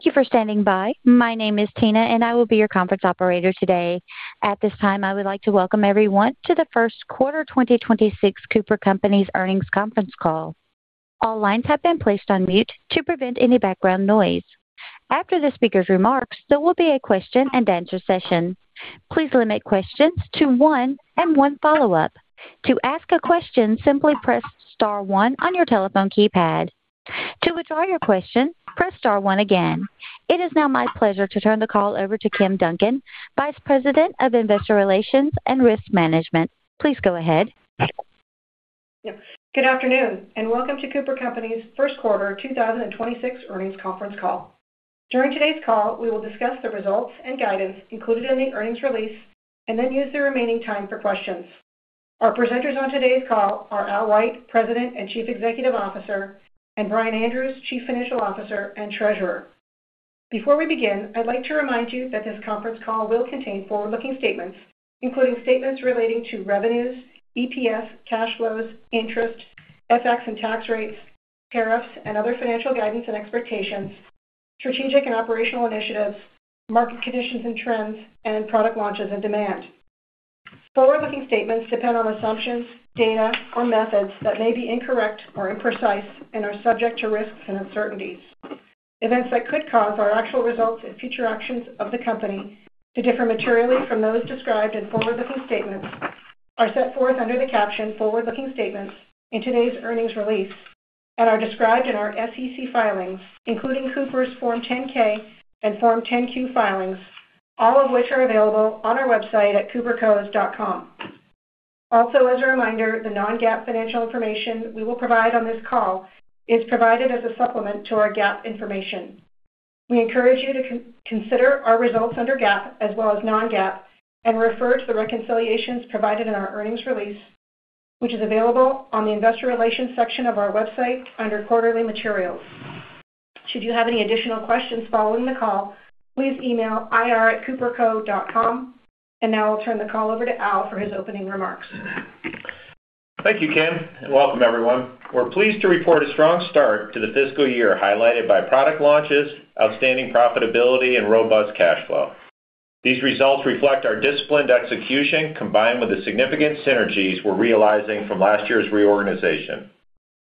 Thank you for standing by. My name is Tina, and I will be your conference operator today. At this time, I would like to welcome everyone to the first quarter 2026 The Cooper Companies earnings conference call. All lines have been placed on mute to prevent any background noise. After the speaker's remarks, there will be a question-and-answer session. Please limit questions to one and one follow-up. To ask a question, simply press star 1 on your telephone keypad. To withdraw your question, press star 1 again. It is now my pleasure to turn the call over to Kim Duncan, Vice President of Investor Relations and Risk Management. Please go ahead. Good afternoon, welcome to Cooper Companies' first quarter 2026 earnings conference call. During today's call, we will discuss the results and guidance included in the earnings release and then use the remaining time for questions. Our presenters on today's call are Al White, President and Chief Executive Officer, and Brian Andrews, Chief Financial Officer and Treasurer. Before we begin, I'd like to remind you that this conference call will contain forward-looking statements, including statements relating to revenues, EPS, cash flows, interest, FX and tax rates, tariffs, and other financial guidance and expectations, strategic and operational initiatives, market conditions and trends, and product launches and demand. Forward-looking statements depend on assumptions, data, or methods that may be incorrect or imprecise and are subject to risks and uncertainties. Events that could cause our actual results and future actions of the company to differ materially from those described in forward-looking statements are set forth under the caption "Forward-Looking Statements" in today's earnings release and are described in our SEC filings, including Cooper's Form 10-K and Form 10-Q filings, all of which are available on our website at coopercos.com. Also, as a reminder, the Non-GAAP financial information we will provide on this call is provided as a supplement to our GAAP information. We encourage you to consider our results under GAAP as well as Non-GAAP and refer to the reconciliations provided in our earnings release, which is available on the investor relations section of our website under Quarterly Materials. Should you have any additional questions following the call, please email ir@coopercos.com. Now I'll turn the call over to Al for his opening remarks. Thank you, Kim, and welcome everyone. We're pleased to report a strong start to the fiscal year, highlighted by product launches, outstanding profitability, and robust cash flow. These results reflect our disciplined execution combined with the significant synergies we're realizing from last year's reorganization.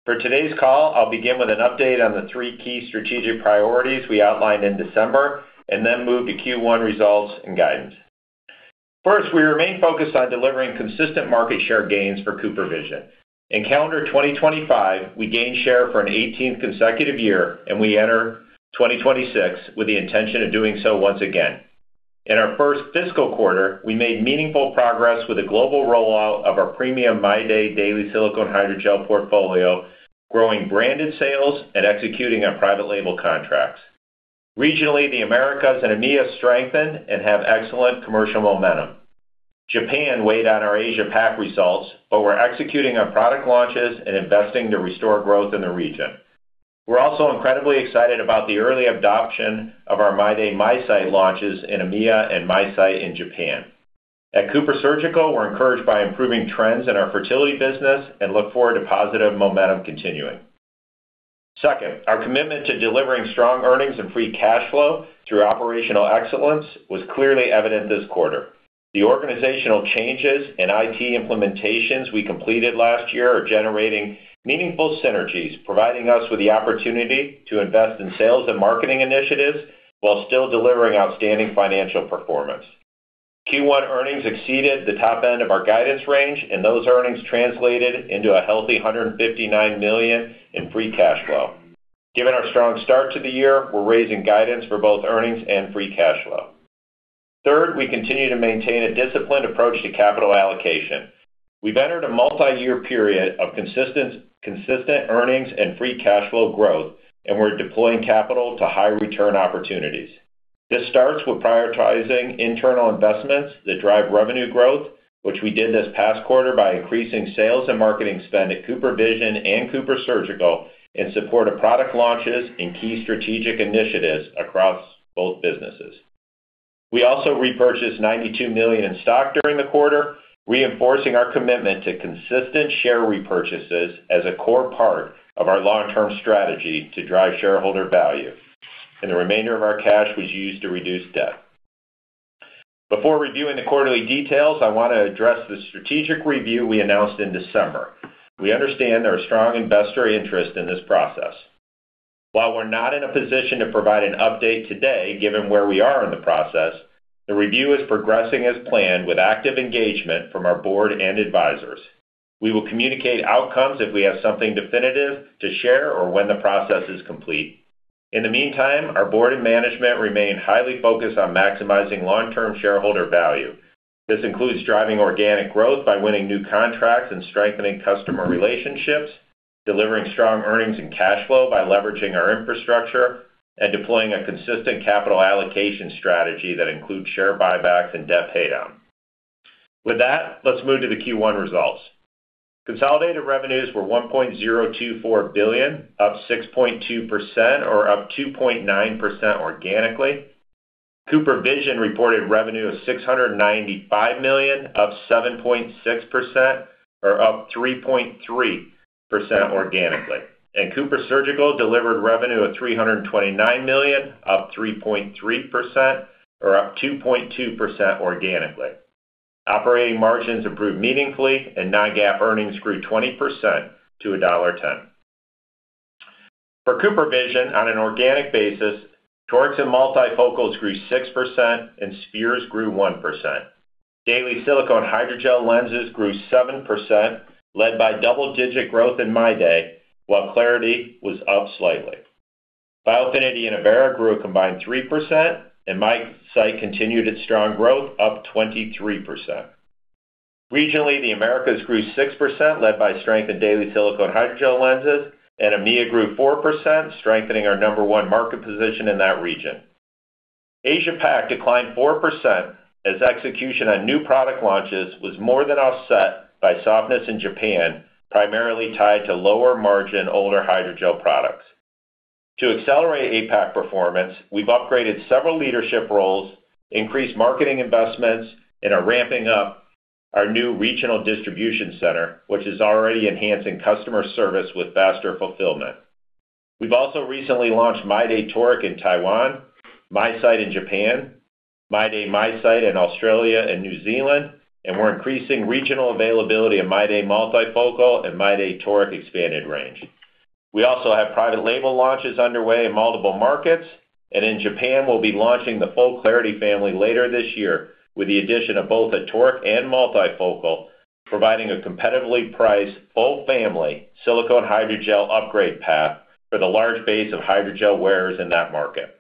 For today's call, I'll begin with an update on the three key strategic priorities we outlined in December and then move to Q1 results and guidance. First, we remain focused on delivering consistent market share gains for CooperVision. In calendar 2025, we gained share for an 18th consecutive year, and we enter 2026 with the intention of doing so once again. In our first fiscal quarter, we made meaningful progress with the global rollout of our premium MyDay daily silicone hydrogel portfolio, growing branded sales and executing on private label contracts. Regionally, the Americas and EMEA strengthened and have excellent commercial momentum. Japan weighed on our Asia Pac results, but we're executing on product launches and investing to restore growth in the region. We're also incredibly excited about the early adoption of our MyDay MiSight launches in EMEA and MiSight in Japan. At CooperSurgical, we're encouraged by improving trends in our fertility business and look forward to positive momentum continuing. Second, our commitment to delivering strong earnings and free cash flow through operational excellence was clearly evident this quarter. The organizational changes and IT implementations we completed last year are generating meaningful synergies, providing us with the opportunity to invest in sales and marketing initiatives while still delivering outstanding financial performance. Q1 earnings exceeded the top end of our guidance range, and those earnings translated into a healthy $159 million in free cash flow. Given our strong start to the year, we're raising guidance for both earnings and free cash flow. Third, we continue to maintain a disciplined approach to capital allocation. We've entered a multiyear period of consistent earnings and free cash flow growth, and we're deploying capital to high return opportunities. This starts with prioritizing internal investments that drive revenue growth, which we did this past quarter by increasing sales and marketing spend at CooperVision and CooperSurgical in support of product launches and key strategic initiatives across both businesses. We also repurchased $92 million in stock during the quarter, reinforcing our commitment to consistent share repurchases as a core part of our long-term strategy to drive shareholder value, and the remainder of our cash was used to reduce debt. Before reviewing the quarterly details, I want to address the strategic review we announced in December. We understand there are strong investor interest in this process. While we're not in a position to provide an update today, given where we are in the process, the review is progressing as planned with active engagement from our board and advisors. We will communicate outcomes if we have something definitive to share or when the process is complete. In the meantime, our board and management remain highly focused on maximizing long-term shareholder value. This includes driving organic growth by winning new contracts and strengthening customer relationships, delivering strong earnings and cash flow by leveraging our infrastructure, and deploying a consistent capital allocation strategy that includes share buybacks and debt paydown. With that, let's move to the Q1 results. Consolidated revenues were $1.024 billion, up 6.2% or up 2.9% organically. CooperVision reported revenue of $695 million, up 7.6% or up 3.3% organically. CooperSurgical delivered revenue of $329 million, up 3.3% or up 2.2% organically. Operating margins improved meaningfully and Non-GAAP earnings grew 20% to $1.10. For CooperVision, on an organic basis, torics and multifocals grew 6% and spheres grew 1%. Daily silicone hydrogel lenses grew 7%, led by double-digit growth in MyDay, while Clarity was up slightly. Biofinity and Avaira grew a combined 3%, and MiSight continued its strong growth, up 23%. Regionally, the Americas grew 6%, led by strength in daily silicone hydrogel lenses, and EMEA grew 4%, strengthening our number one market position in that region. Asia Pac declined 4% as execution on new product launches was more than offset by softness in Japan, primarily tied to lower margin older hydrogel products. To accelerate APAC performance, we've upgraded several leadership roles, increased marketing investments, and are ramping up our new regional distribution center, which is already enhancing customer service with faster fulfillment. We've also recently launched MyDay toric in Taiwan, MiSight in Japan, MyDay MiSight in Australia and New Zealand, and we're increasing regional availability of MyDay multifocal and MyDay toric expanded range. We also have private label launches underway in multiple markets. In Japan, we'll be launching the full Clarity family later this year with the addition of both a toric and multifocal, providing a competitively priced full family silicone hydrogel upgrade path for the large base of hydrogel wearers in that market.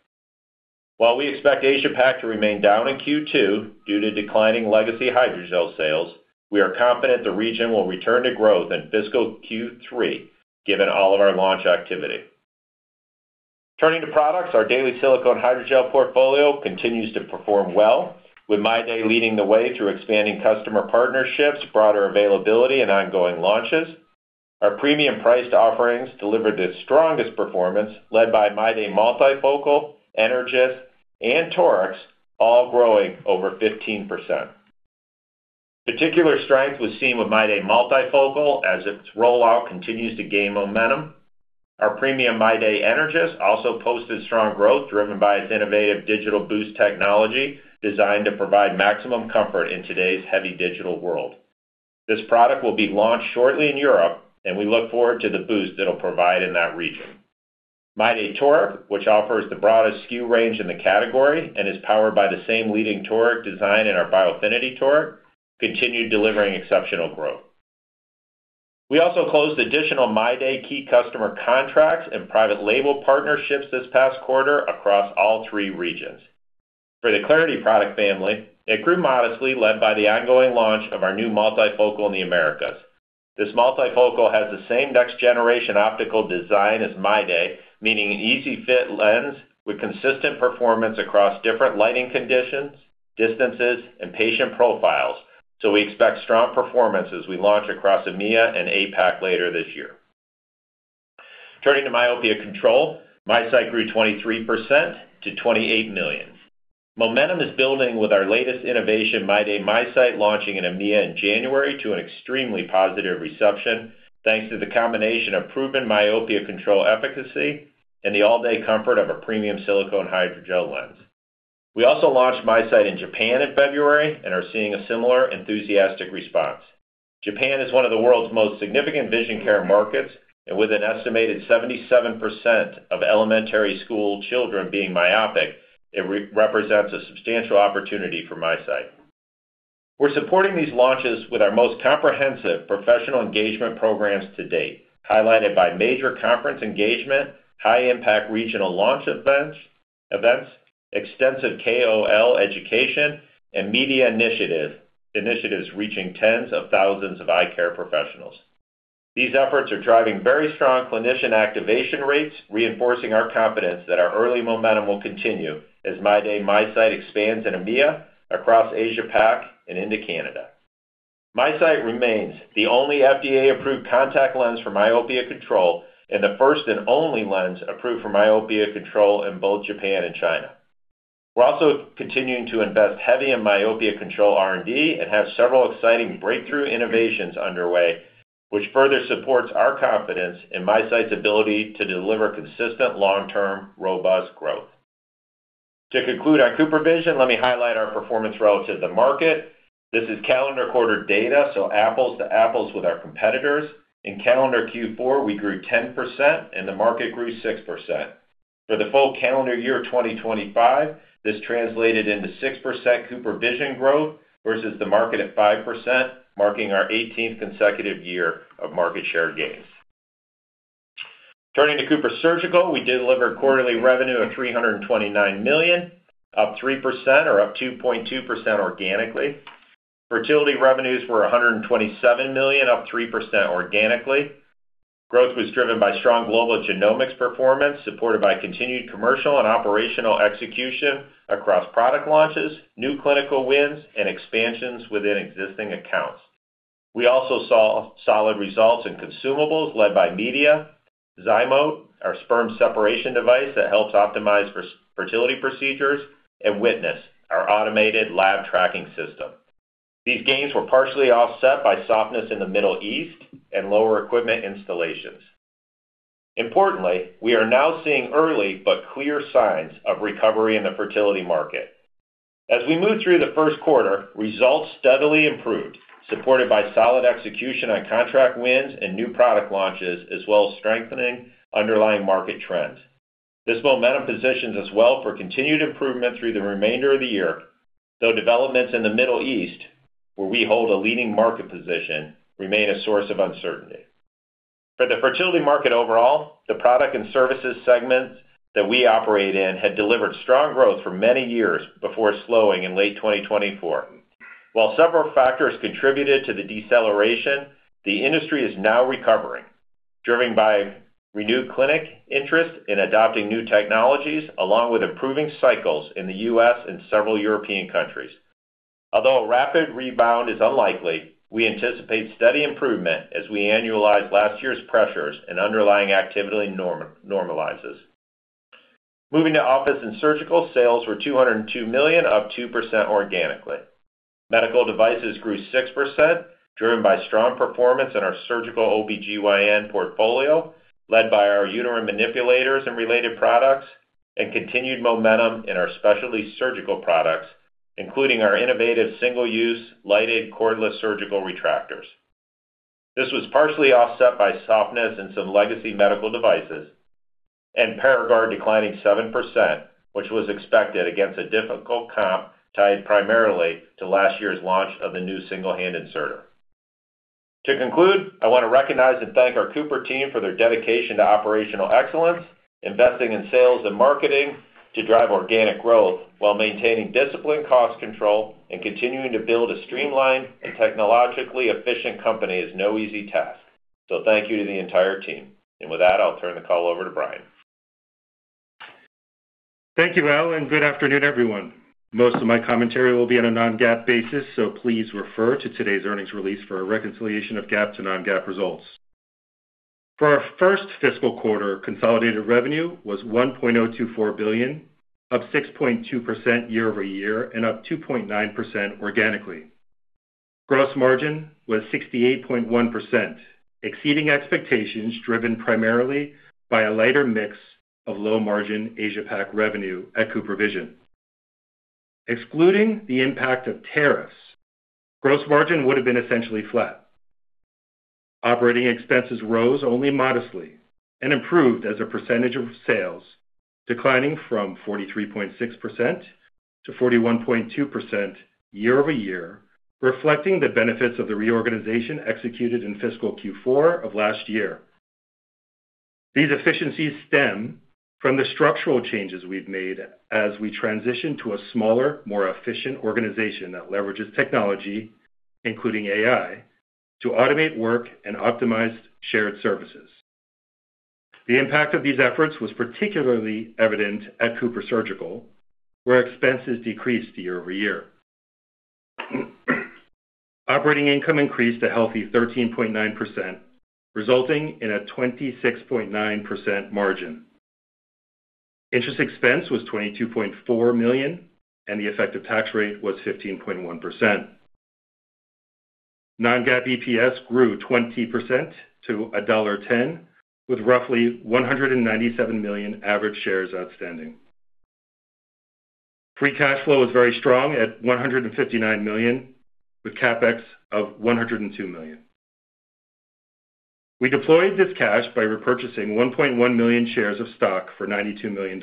While we expect Asia Pac to remain down in Q2 due to declining legacy hydrogel sales, we are confident the region will return to growth in fiscal Q3 given all of our launch activity. Turning to products, our daily silicone hydrogel portfolio continues to perform well, with MyDay leading the way through expanding customer partnerships, broader availability, and ongoing launches. Our premium priced offerings delivered its strongest performance, led by MyDay multifocal, Energys, and torics, all growing over 15%. Particular strength was seen with MyDay multifocal as its rollout continues to gain momentum. Our premium MyDay Energys also posted strong growth driven by its innovative DigitalBoost technology designed to provide maximum comfort in today's heavy digital world. This product will be launched shortly in Europe, and we look forward to the boost it'll provide in that region. MyDay toric, which offers the broadest SKU range in the category and is powered by the same leading toric design in our Biofinity toric, continued delivering exceptional growth. We also closed additional MyDay key customer contracts and private label partnerships this past quarter across all three regions. For the Clarity product family, it grew modestly, led by the ongoing launch of our new multifocal in the Americas. This multifocal has the same next-generation optical design as MyDay, meaning an easy fit lens with consistent performance across different lighting conditions, distances, and patient profiles. We expect strong performance as we launch across EMEA and APAC later this year. Turning to myopia control, MiSight grew 23% to $28 million. Momentum is building with our latest innovation, MyDay MiSight, launching in EMEA in January to an extremely positive reception thanks to the combination of proven myopia control efficacy and the all-day comfort of a premium silicone hydrogel lens. We also launched MiSight in Japan in February and are seeing a similar enthusiastic response. Japan is one of the world's most significant vision care markets, and with an estimated 77% of elementary school children being myopic, it represents a substantial opportunity for MiSight. We're supporting these launches with our most comprehensive professional engagement programs to date, highlighted by major conference engagement, high-impact regional launch events, extensive KOL education, and media initiatives reaching tens of thousands of eye care professionals. These efforts are driving very strong clinician activation rates, reinforcing our confidence that our early momentum will continue as MyDay MiSight expands in EMEA, across Asia Pac, and into Canada. MiSight remains the only FDA-approved contact lens for myopia control and the first and only lens approved for myopia control in both Japan and China. We're also continuing to invest heavy in myopia control R&D and have several exciting breakthrough innovations underway, which further supports our confidence in MiSight's ability to deliver consistent long-term, robust growth. To conclude on CooperVision, let me highlight our performance relative to market. This is calendar quarter data, apples to apples with our competitors. In calendar Q4, we grew 10% and the market grew 6%. For the full calendar year of 2025, this translated into 6% CooperVision growth versus the market at 5%, marking our 18th consecutive year of market share gains. Turning to CooperSurgical, we delivered quarterly revenue of $329 million, up 3% or up 2.2% organically. Fertility revenues were $127 million, up 3% organically. Growth was driven by strong global genomics performance, supported by continued commercial and operational execution across product launches, new clinical wins, and expansions within existing accounts. We also saw solid results in consumables led by media, ZyMōt, our sperm separation device that helps optimize fertility procedures, and Witness, our automated lab tracking system. These gains were partially offset by softness in the Middle East and lower equipment installations. Importantly, we are now seeing early but clear signs of recovery in the fertility market. As we move through the first quarter, results steadily improved, supported by solid execution on contract wins and new product launches, as well as strengthening underlying market trends. This momentum positions us well for continued improvement through the remainder of the year, though developments in the Middle East, where we hold a leading market position, remain a source of uncertainty. For the fertility market overall, the product and services segments that we operate in had delivered strong growth for many years before slowing in late 2024. While several factors contributed to the deceleration, the industry is now recovering, driven by renewed clinic interest in adopting new technologies, along with improving cycles in the U.S. and several European countries. Although a rapid rebound is unlikely, we anticipate steady improvement as we annualize last year's pressures and underlying activity normalizes. Moving to office and surgical, sales were $202 million, up 2% organically. Medical devices grew 6%, driven by strong performance in our surgical OBGYN portfolio, led by our uterine manipulators and related products, and continued momentum in our specialty surgical products, including our innovative single-use lighted cordless surgical retractors. This was partially offset by softness in some legacy medical devices and Paragard declining 7%, which was expected against a difficult comp tied primarily to last year's launch of the new single-hand inserter. To conclude, I want to recognize and thank our Cooper team for their dedication to operational excellence, investing in sales and marketing to drive organic growth while maintaining disciplined cost control and continuing to build a streamlined and technologically efficient company is no easy task. Thank you to the entire team. With that, I'll turn the call over to Brian. Thank you, Al. Good afternoon, everyone. Most of my commentary will be on a Non-GAAP basis, so please refer to today's earnings release for a reconciliation of GAAP to Non-GAAP results. For our first fiscal quarter, consolidated revenue was $1.024 billion, up 6.2% year-over-year and up 2.9% organically. Gross margin was 68.1%, exceeding expectations driven primarily by a lighter mix of low-margin Asia Pac revenue at CooperVision. Excluding the impact of tariffs, gross margin would have been essentially flat. Operating expenses rose only modestly and improved as a percentage of sales, declining from 43.6%-41.2% year-over-year, reflecting the benefits of the reorganization executed in fiscal Q4 of last year. These efficiencies stem from the structural changes we've made as we transition to a smaller, more efficient organization that leverages technology, including AI, to automate work and optimize shared services. The impact of these efforts was particularly evident at CooperSurgical, where expenses decreased year-over-year. Operating income increased a healthy 13.9%, resulting in a 26.9% margin. Interest expense was $22.4 million, and the effective tax rate was 15.1%. Non-GAAP EPS grew 20% to $1.10, with roughly 197 million average shares outstanding. Free cash flow was very strong at $159 million, with CapEx of $102 million. We deployed this cash by repurchasing 1.1 million shares of stock for $92 million,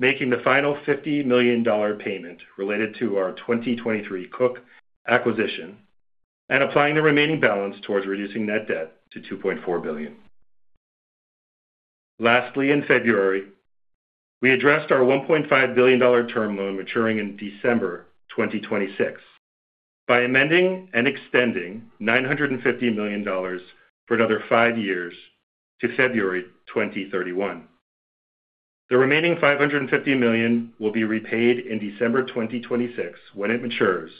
making the final $50 million payment related to our 2023 Cook acquisition and applying the remaining balance towards reducing net debt to $2.4 billion. In February, we addressed our $1.5 billion term loan maturing in December 2026 by amending and extending $950 million for another five years to February 2031. The remaining $550 million will be repaid in December 2026 when it matures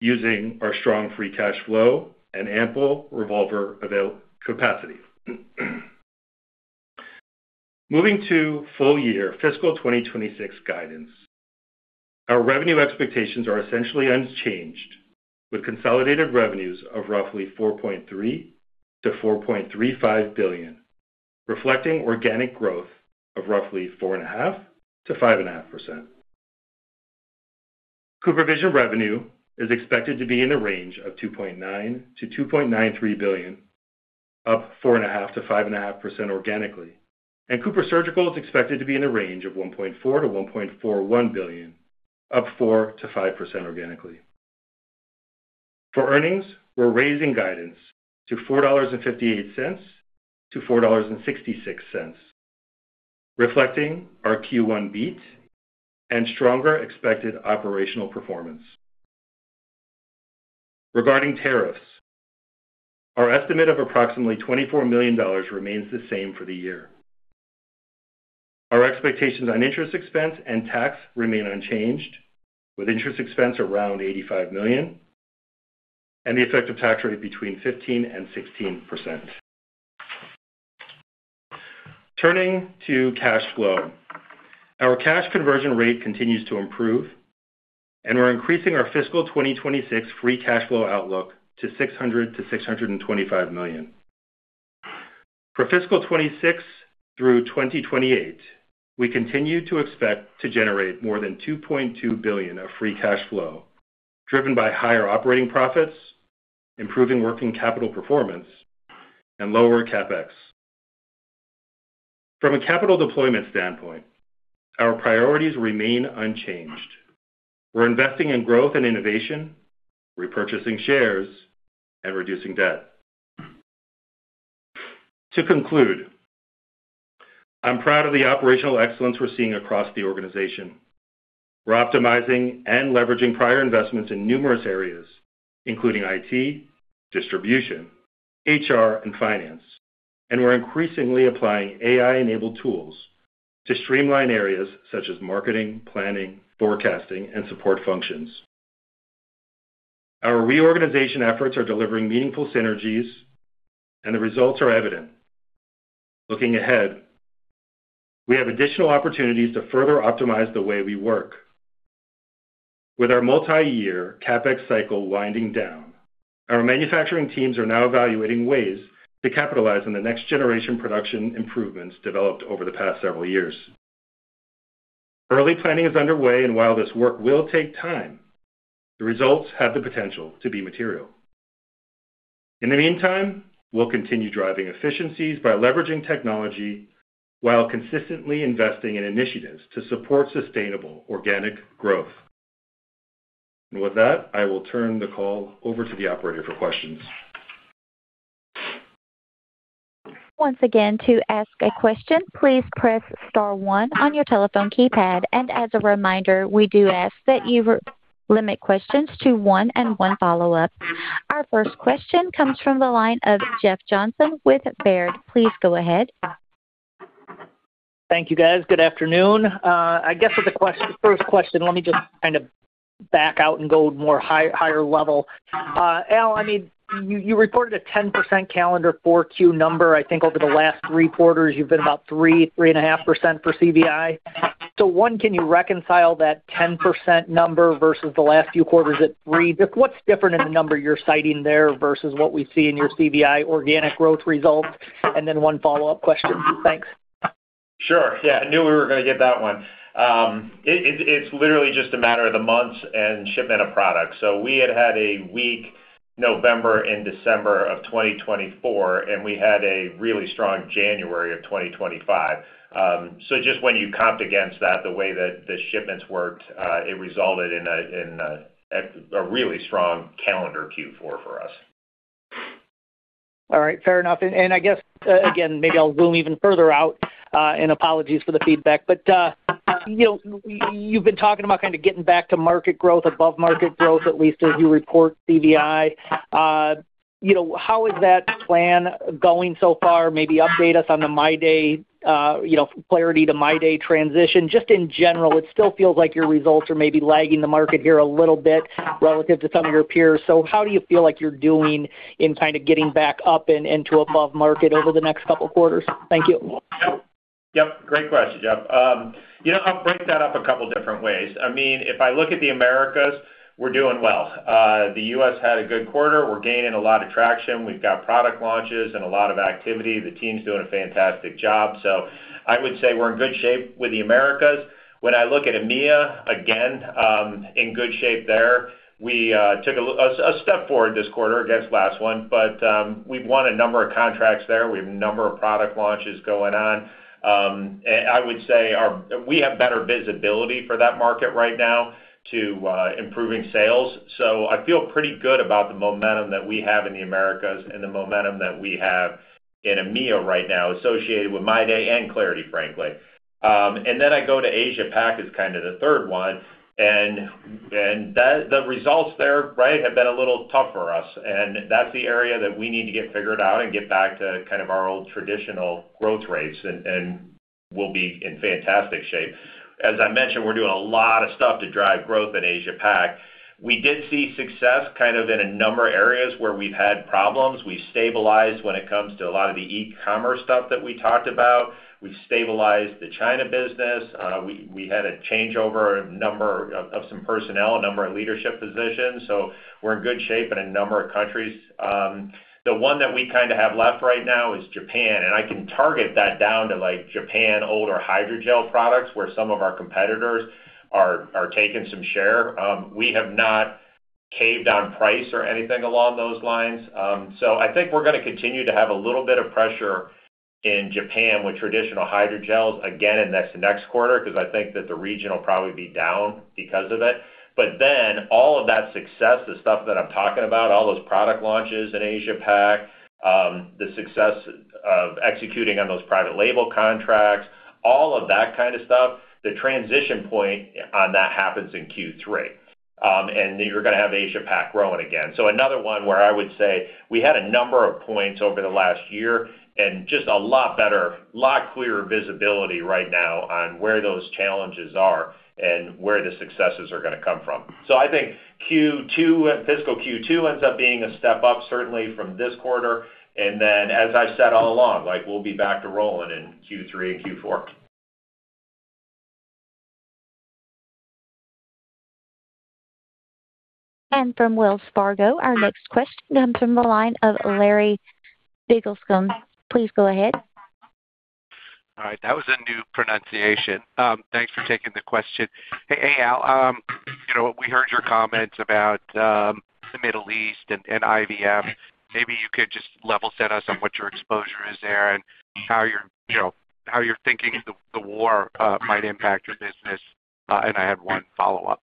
using our strong free cash flow and ample revolver avail capacity. Moving to full-year fiscal 2026 guidance. Our revenue expectations are essentially unchanged, with consolidated revenues of roughly $4.3 billion-$4.35 billion, reflecting organic growth of roughly 4.5%-5.5%. CooperVision revenue is expected to be in the range of $2.9 billion-$2.93 billion, up 4.5%-5.5% organically. CooperSurgical is expected to be in a range of $1.4 billion-$1.41 billion, up 4%-5% organically. For earnings, we're raising guidance to $4.58-$4.66, reflecting our Q1 beat and stronger expected operational performance. Regarding tariffs, our estimate of approximately $24 million remains the same for the year. Our expectations on interest expense and tax remain unchanged, with interest expense around $85 million and the effective tax rate between 15% and 16%. Turning to cash flow. Our cash conversion rate continues to improve, and we're increasing our fiscal 2026 free cash flow outlook to $600 million-$625 million. For fiscal 2026 through 2028, we continue to expect to generate more than $2.2 billion of free cash flow, driven by higher operating profits, improving working capital performance, and lower CapEx. From a capital deployment standpoint, our priorities remain unchanged. We're investing in growth and innovation, repurchasing shares, and reducing debt. To conclude, I'm proud of the operational excellence we're seeing across the organization. We're optimizing and leveraging prior investments in numerous areas, including IT, distribution, HR, and finance. We're increasingly applying AI-enabled tools to streamline areas such as marketing, planning, forecasting, and support functions. Our reorganization efforts are delivering meaningful synergies, and the results are evident. Looking ahead, we have additional opportunities to further optimize the way we work. With our multi-year CapEx cycle winding down, our manufacturing teams are now evaluating ways to capitalize on the next-generation production improvements developed over the past several years. Early planning is underway, and while this work will take time, the results have the potential to be material. In the meantime, we'll continue driving efficiencies by leveraging technology while consistently investing in initiatives to support sustainable organic growth. With that, I will turn the call over to the operator for questions. Once again, to ask a question, please press star one on your telephone keypad. As a reminder, we do ask that you limit questions to one and one follow-up. Our first question comes from the line of Jeff Johnson with Baird. Please go ahead. Thank you, guys. Good afternoon. I guess as a first question, let me just kind of back out and go more higher level. Al, I mean, you reported a 10% calendar four Q number. I think over the last three quarters, you've been about 3.5% for CVI. One, can you reconcile that 10% number versus the last few quarters at 3%? Just what's different in the number you're citing there versus what we see in your CVI organic growth results? Then one follow-up question. Thanks. Sure. Yeah, I knew we were gonna get that one. It's literally just a matter of the months and shipment of products. We had a weak November and December of 2024, and we had a really strong January of 2025. Just when you comped against that, the way that the shipments worked, it resulted in a really strong calendar Q4 for us. All right, fair enough. I guess, again, maybe I'll zoom even further out, and apologies for the feedback. you know, you've been talking about kinda getting back to market growth, above market growth, at least as you report CVI. you know, how is that plan going so far? Maybe update us on the MyDay, you know, Clarity to MyDay transition. Just in general, it still feels like your results are maybe lagging the market here a little bit relative to some of your peers. how do you feel like you're doing in kinda getting back up and to above market over the next couple of quarters? Thank you. Yep. Yep. Great question, Jeff. you know, I'll break that up a couple different ways. I mean, if I look at the Americas, we're doing well. The U.S. had a good quarter. We're gaining a lot of traction. We've got product launches and a lot of activity. The team's doing a fantastic job. I would say we're in good shape with the Americas. When I look at EMEA, again, in good shape there. We took a step forward this quarter against last one, but we've won a number of contracts there. We have a number of product launches going on. and I would say we have better visibility for that market right now to improving sales. I feel pretty good about the momentum that we have in the Americas and the momentum that we have in EMEA right now associated with MyDay and Clarity, frankly. I go to Asia Pac as kind of the third one, the results there, right, have been a little tough for us. That's the area that we need to get figured out and get back to kind of our old traditional growth rates and we'll be in fantastic shape. As I mentioned, we're doing a lot of stuff to drive growth in Asia Pac. We did see success kind of in a number of areas where we've had problems. We've stabilized when it comes to a lot of the e-commerce stuff that we talked about. We've stabilized the China business. We had a changeover, a number of some personnel, a number of leadership positions. We're in good shape in a number of countries. The one that we kinda have left right now is Japan. I can target that down to, like, Japan older hydrogel products, where some of our competitors are taking some share. We have not caved on price or anything along those lines. I think we're gonna continue to have a little bit of pressure in Japan with traditional hydrogels again in next quarter, 'cause I think that the region will probably be down because of it. All of that success, the stuff that I'm talking about, all those product launches in Asia Pac, the success of executing on those private label contracts, all of that kind of stuff, the transition point on that happens in Q3. You're gonna have Asia Pac growing again. Another one where I would say we had a number of points over the last year, and just a lot better, a lot clearer visibility right now on where those challenges are and where the successes are gonna come from. I think Q2, fiscal Q2 ends up being a step up, certainly from this quarter. As I said all along, like, we'll be back to rolling in Q3 and Q4. From Wells Fargo, our next question comes from the line of Larry Biegelsen. Please go ahead. All right. That was a new pronunciation. Thanks for taking the question. Hey, Al, you know, we heard your comments about, the Middle East and IVF. Maybe you could just level set us on what your exposure is there and how you're, you know, how you're thinking the war, might impact your business. I had one follow-up.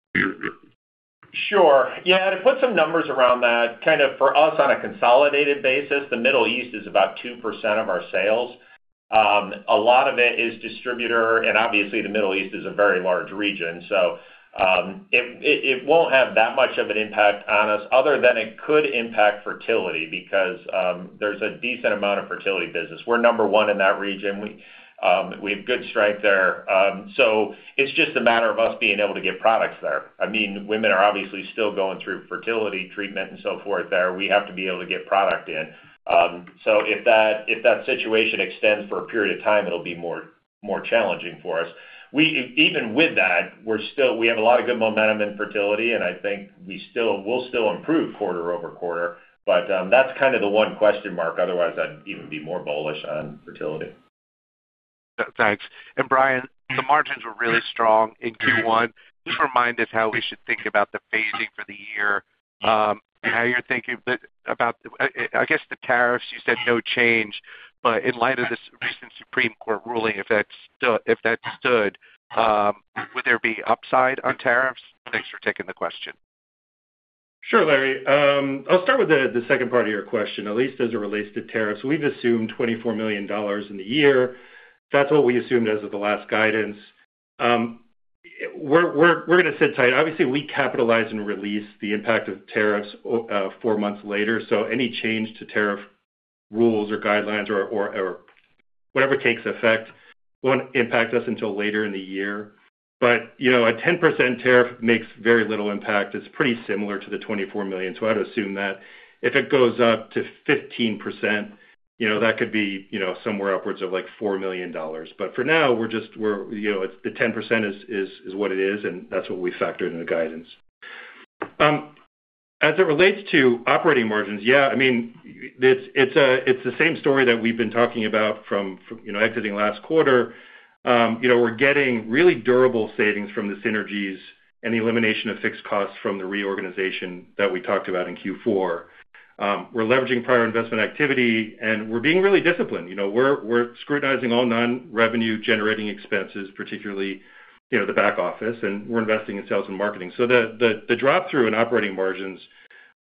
Sure. Yeah. To put some numbers around that, kind of for us on a consolidated basis, the Middle East is about 2% of our sales. A lot of it is distributor, and obviously, the Middle East is a very large region. It won't have that much of an impact on us other than it could impact fertility because there's a decent amount of fertility business. We're number one in that region. We have good strength there. It's just a matter of us being able to get products there. I mean, women are obviously still going through fertility treatment and so forth there. We have to be able to get product in. If that, if that situation extends for a period of time, it'll be more challenging for us. Even with that, we have a lot of good momentum in fertility, and I think we'll still improve quarter-over-quarter. That's kind of the one question mark, otherwise I'd even be more bullish on fertility. Thanks. Brian, the margins were really strong in Q1. Just remind us how we should think about the phasing for the year, how you're thinking about the I guess, the tariffs, you said no change. In light of this recent Supreme Court ruling, if that stood, would there be upside on tariffs? Thanks for taking the question. Sure, Larry. I'll start with the second part of your question, at least as it relates to tariffs. We've assumed $24 million in the year. That's what we assumed as of the last guidance. We're gonna sit tight. Obviously, we capitalize and release the impact of tariffs, four months later. Any change to tariff rules or guidelines or whatever takes effect won't impact us until later in the year. You know, a 10% tariff makes very little impact. It's pretty similar to the $24 million. I'd assume that if it goes up to 15%, you know, that could be, you know, somewhere upwards of like $4 million. For now, we're, you know... The 10% is what it is, and that's what we factored in the guidance. As it relates to operating margins, yeah, I mean, it's the same story that we've been talking about from, you know, exiting last quarter. You know, we're getting really durable savings from the synergies and the elimination of fixed costs from the reorganization that we talked about in Q4. We're leveraging prior investment activity, and we're being really disciplined. You know, we're scrutinizing all non-revenue generating expenses, particularly, you know, the back office, and we're investing in sales and marketing. The drop-through in operating margins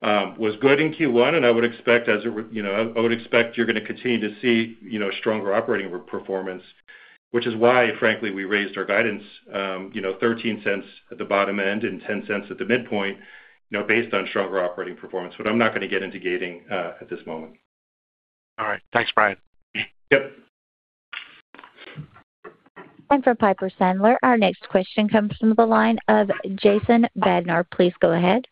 was good in Q1, and I would expect as it would, you know, I would expect you're gonna continue to see, you know, stronger operating performance, which is why, frankly, we raised our guidance, you know, $0.13 at the bottom end and $0.10 at the midpoint, you know, based on stronger operating performance. I'm not gonna get into gating at this moment. All right. Thanks, Brian. Yep. From Piper Sandler, our next question comes from the line of Jason Bednar. Please go ahead.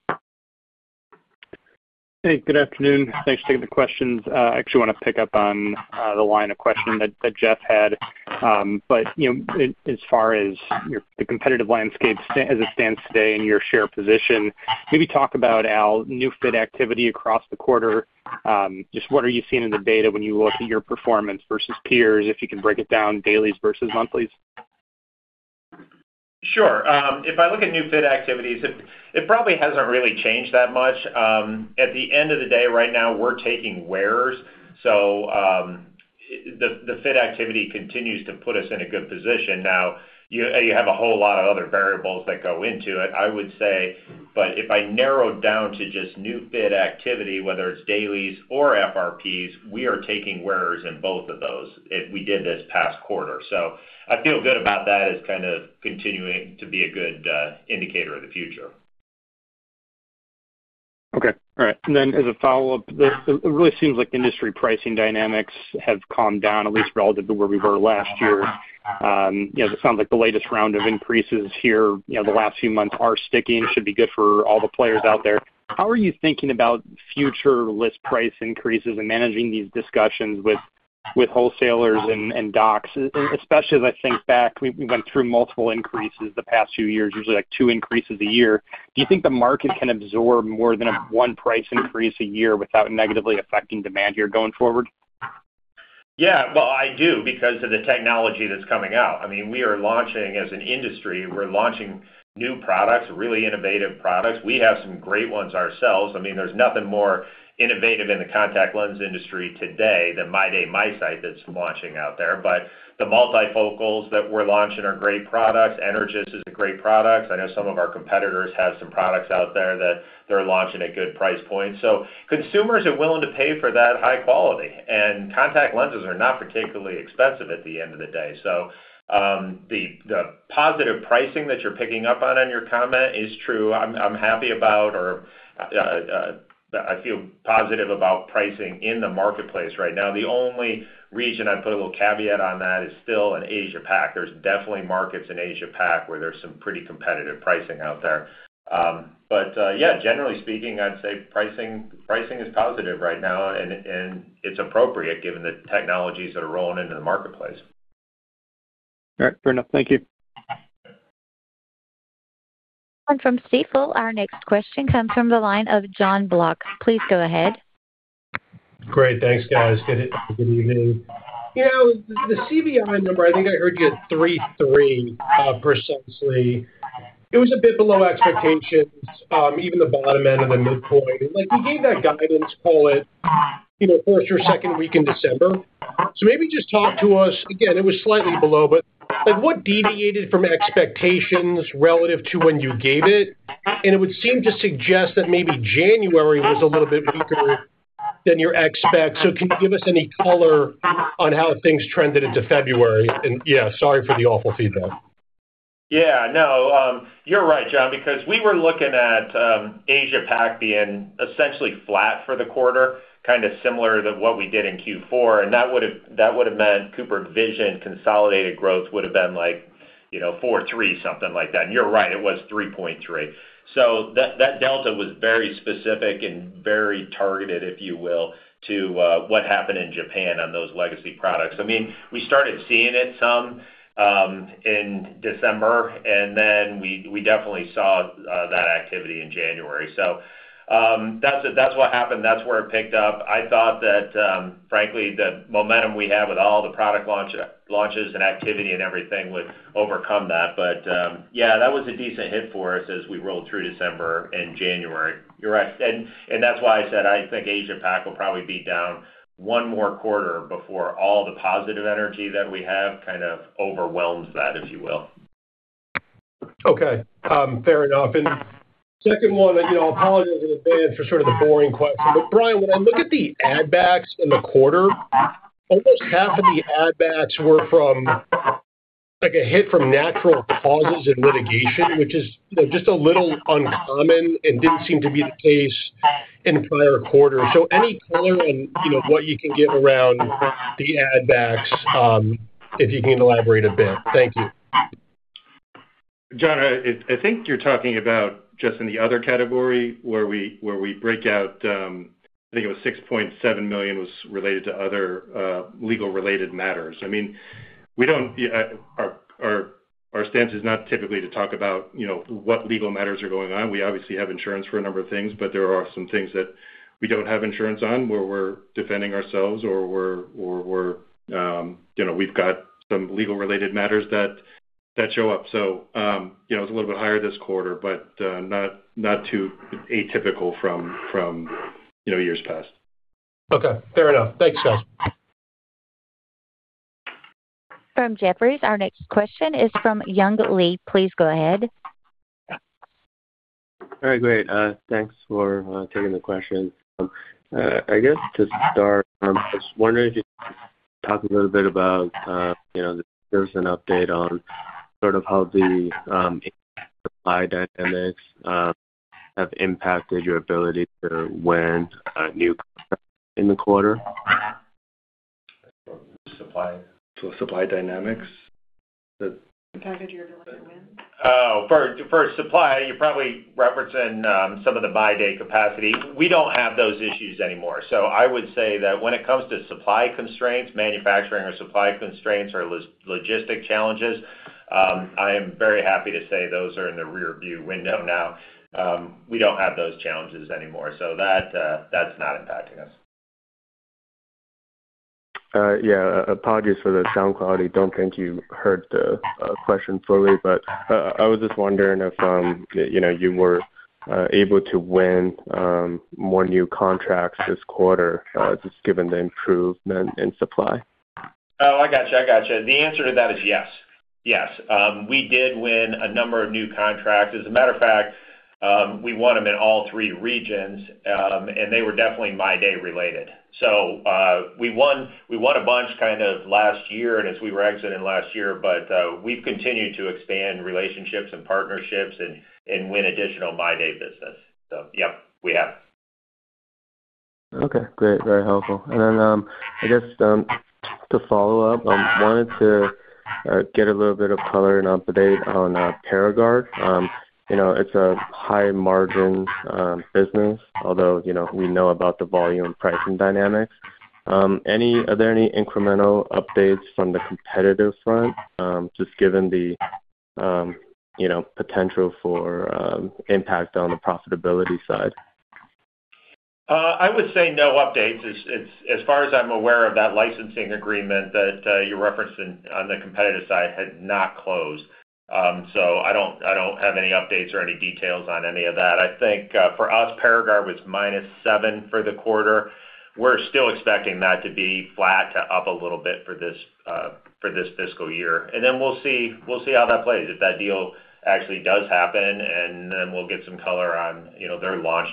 Hey, good afternoon. Thanks for taking the questions. I actually wanna pick up on the line of questioning that Jeff had. But, you know, as far as your, the competitive landscape as it stands today and your share position, maybe talk about, Al, new fit activity across the quarter. Just what are you seeing in the data when you look at your performance versus peers, if you can break it down dailies versus monthlies? Sure. If I look at new fit activities, it probably hasn't really changed that much. At the end of the day, right now, we're taking wearers, so the fit activity continues to put us in a good position. You have a whole lot of other variables that go into it, I would say, but if I narrowed down to just new fit activity, whether it's dailies or FRPs, we are taking wearers in both of those. We did this past quarter. I feel good about that as kind of continuing to be a good indicator of the future. Okay. All right. Then as a follow-up, it really seems like industry pricing dynamics have calmed down, at least relative to where we were last year. You know, it sounds like the latest round of increases here, you know, the last few months are sticking. Should be good for all the players out there. How are you thinking about future list price increases and managing these discussions with wholesalers and docs, especially as I think back, we went through multiple increases the past few years, usually like two increases a year. Do you think the market can absorb more than one price increase a year without negatively affecting demand here going forward? Yeah. Well, I do because of the technology that's coming out. I mean, we are launching, as an industry, we're launching new products, really innovative products. We have some great ones ourselves. I mean, there's nothing more innovative in the contact lens industry today than MyDay MiSight that's launching out there. The multifocals that we're launching are great products. Energys is a great product. I know some of our competitors have some products out there that they're launching at good price points. Consumers are willing to pay for that high quality, and contact lenses are not particularly expensive at the end of the day. The positive pricing that you're picking up on in your comment is true. I'm happy about or I feel positive about pricing in the marketplace right now. The only region I'd put a little caveat on that is still in Asia Pac. There's definitely markets in Asia Pac where there's some pretty competitive pricing out there. Yeah, generally speaking, I'd say pricing is positive right now and it's appropriate given the technologies that are rolling into the marketplace. All right. Fair enough. Thank you. From Stifel, our next question comes from the line of Jon Block. Please go ahead. Great. Thanks, guys. Good evening. You know, the CVI number, I think I heard you at 3.3, precisely. It was a bit below expectations, even the bottom end of the midpoint. Like, we gave that guidance call it, you know, 4th or 2nd week in December. Maybe just talk to us. Again, it was slightly below, but, like what deviated from expectations relative to when you gave it? It would seem to suggest that maybe January was a little bit weaker than your expect. Can you give us any color on how things trended into February? Yeah, sorry for the awful feedback. Yeah, no. you're right, Jon, because we were looking at Asia Pac being essentially flat for the quarter, kind of similar to what we did in Q4, that would've meant CooperVision consolidated growth would have been like, you know, 4%, 3%, something like that. you're right, it was 3.3%. That delta was very specific and very targeted, if you will, to what happened in Japan on those legacy products. I mean, we started seeing it some in December, then we definitely saw that activity in January. That's it. That's what happened. That's where it picked up. I thought that, frankly, the momentum we have with all the product launches and activity and everything would overcome that. Yeah, that was a decent hit for us as we rolled through December and January. You're right. That's why I said I think Asia Pac will probably be down 1 more quarter before all the positive energy that we have kind of overwhelms that, if you will. Okay. fair enough. Second one, you know, apologies in advance for sort of the boring question, but Brian, when I look at the add backs in the quarter, almost half of the add backs were from, like a hit from natural causes and litigation, which is, you know, just a little uncommon and didn't seem to be the case in prior quarters. Any color on, you know, what you can give around the add backs, if you can elaborate a bit? Thank you. Jon, I think you're talking about just in the other category where we break out, I think it was $6.7 million was related to other legal related matters. I mean, we don't, our stance is not typically to talk about, you know, what legal matters are going on. We obviously have insurance for a number of things, but there are some things that we don't have insurance on where we're defending ourselves or we're, you know, we've got some legal related matters that show up. You know, it's a little bit higher this quarter, but not too atypical from, you know, years past. Okay. Fair enough. Thanks, guys. From Jefferies, our next question is from Young Li. Please go ahead. All right. Great. Thanks for taking the question. I guess to start, I'm just wondering if you could talk a little bit about, you know, give us an update on sort of how the supply dynamics have impacted your ability to win new contracts in the quarter. Supply? supply dynamics. Impacted your ability to win. For supply, you're probably referencing some of the MyDay capacity. We don't have those issues anymore. I would say that when it comes to supply constraints, manufacturing or supply constraints or logistic challenges, I am very happy to say those are in the rearview window now. We don't have those challenges anymore. That's not impacting us. Yeah, apologies for the sound quality. Don't think you heard the question fully, but I was just wondering if, you know, you were able to win more new contracts this quarter, just given the improvement in supply? Oh, I got you. I got you. The answer to that is yes. Yes. We did win a number of new contracts. As a matter of fact, we won them in all three regions, and they were definitely MyDay related. We won a bunch kind of last year and as we were exiting last year, we've continued to expand relationships and partnerships and win additional MyDay business. Yeah, we have. Okay. Great. Very helpful. I guess, to follow up, wanted to get a little bit of color and update on Paragard. You know, it's a high margin business, although, you know, we know about the volume pricing dynamics. Are there any incremental updates from the competitive front, just given the, you know, potential for impact on the profitability side? I would say no updates. As far as I'm aware of that licensing agreement that you're referencing on the competitive side had not closed. I don't, I don't have any updates or any details on any of that. I think, for us, Paragard was -7% for the quarter. We're still expecting that to be flat to up a little bit for this for this fiscal year. We'll see how that plays. If that deal actually does happen, we'll get some color on, you know, their launch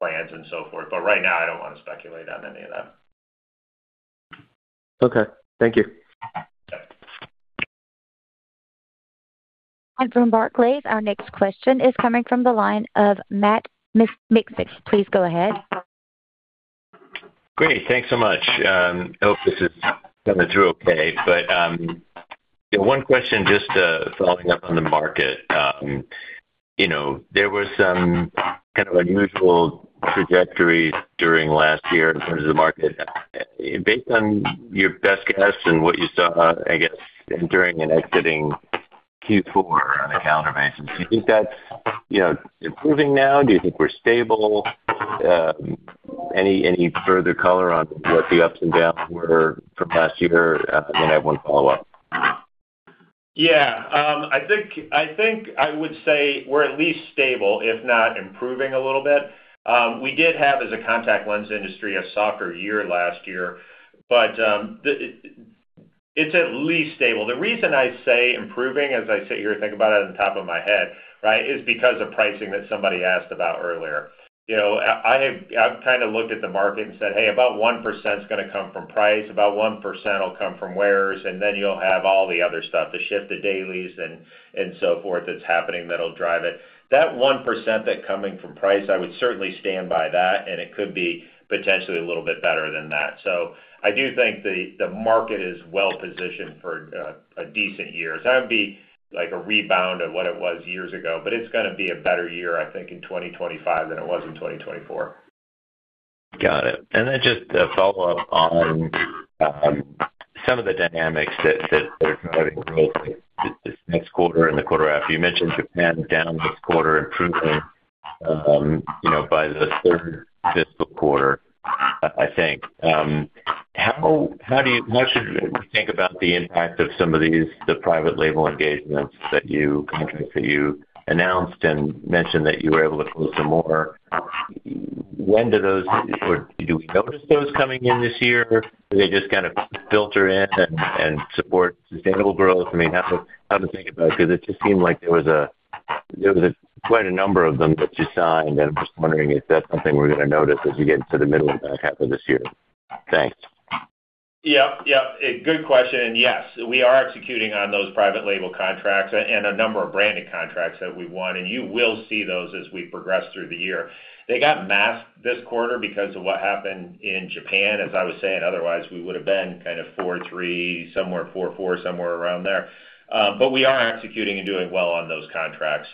plans and so forth. Right now, I don't want to speculate on any of that. Okay. Thank you. Yep. From Barclays, our next question is coming from the line of Matt Miksic. Please go ahead. Great. Thanks so much. Hope this is coming through okay. One question just following up on the market. You know, there was some kind of unusual trajectories during last year in terms of the market. Based on your best guess and what you saw, I guess, entering and exiting Q4 on a calendar basis, do you think that's, you know, improving now? Do you think we're stable? Any further color on what the ups and downs were from last year? I have one follow-up. I think I would say we're at least stable, if not improving a little bit. We did have, as a contact lens industry, a softer year last year, but it's at least stable. The reason I say improving as I sit here, think about it on the top of my head, right, is because of pricing that somebody asked about earlier. You know, I've kind of looked at the market and said, "Hey, about 1%'s gonna come from price, about 1% will come from wares, and then you'll have all the other stuff, the shift to dailies and so forth that's happening that'll drive it." That 1% that coming from price, I would certainly stand by that, and it could be potentially a little bit better than that. I do think the market is well positioned for a decent year. That'd be like a rebound of what it was years ago, but it's gonna be a better year, I think, in 2025 than it was in 2024. Got it. Just a follow-up on some of the dynamics that are kind of this next quarter and the quarter after. You mentioned Japan down this quarter, improving, you know, by the third fiscal quarter, I think. How should we think about the impact of some of these, the private label engagements, contracts that you announced and mentioned that you were able to close some more? When do those or do we notice those coming in this year? Do they just kind of filter in and support sustainable growth? I mean, how to think about it, because it just seemed like there was quite a number of them that you signed, and I'm just wondering if that's something we're gonna notice as we get into the middle and back half of this year. Thanks. Yeah. Yeah. A good question. Yes, we are executing on those private label contracts and a number of branded contracts that we won, and you will see those as we progress through the year. They got masked this quarter because of what happened in Japan. As I was saying, otherwise, we would've been kind of 4.3%, somewhere 4.4%, somewhere around there. We are executing and doing well on those contracts.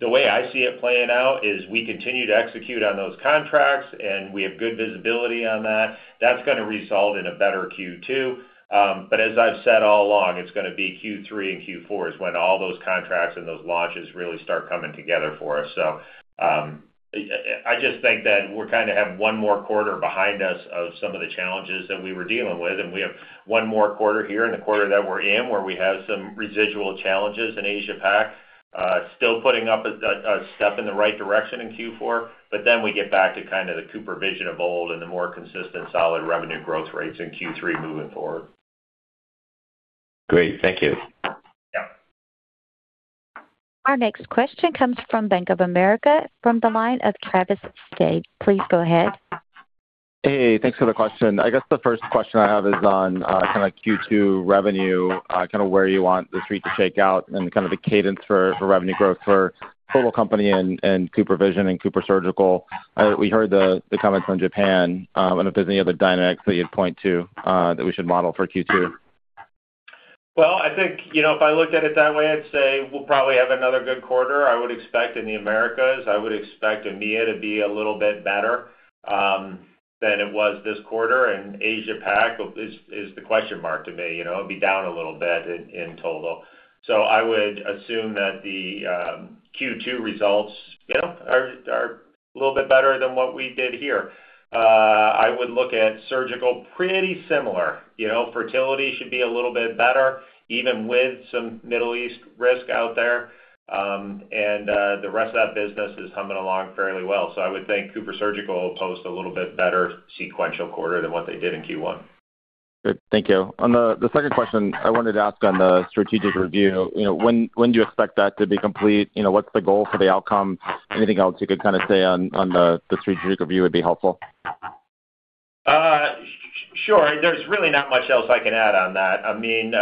The way I see it playing out is we continue to execute on those contracts, and we have good visibility on that. That's gonna result in a better Q2. As I've said all along, it's gonna be Q3 and Q4 is when all those contracts and those launches really start coming together for us. I just think that we kind of have one more quarter behind us of some of the challenges that we were dealing with, and we have one more quarter here in the quarter that we're in, where we have some residual challenges in Asia-Pac. Still putting up a step in the right direction in Q4, we get back to kind of the CooperVision of old and the more consistent, solid revenue growth rates in Q3 moving forward. Great. Thank you. Yeah. Our next question comes from Bank of America from the line of Travis Steed. Please go ahead. Hey, thanks for the question. I guess the first question I have is on, kind of Q2 revenue, kind of where you want the street to shake out and kind of the cadence for revenue growth for total company and CooperVision and CooperSurgical. We heard the comments from Japan, and if there's any other dynamics that you'd point to, that we should model for Q2. Well, I think, you know, if I looked at it that way, I'd say we'll probably have another good quarter. I would expect in the Americas. I would expect EMEA to be a little bit better than it was this quarter. Asia-Pac is the question mark to me. You know, it'll be down a little bit in total. I would assume that the Q2 results, you know, are a little bit better than what we did here. I would look at Surgical pretty similar. You know, fertility should be a little bit better, even with some Middle East risk out there. The rest of that business is humming along fairly well. I would think CooperSurgical will post a little bit better sequential quarter than what they did in Q1. Good. Thank you. On the second question I wanted to ask on the strategic review, you know, when do you expect that to be complete? You know, what's the goal for the outcome? Anything else you could kind of say on the strategic review would be helpful. Sure. There's really not much else I can add on that. I mean,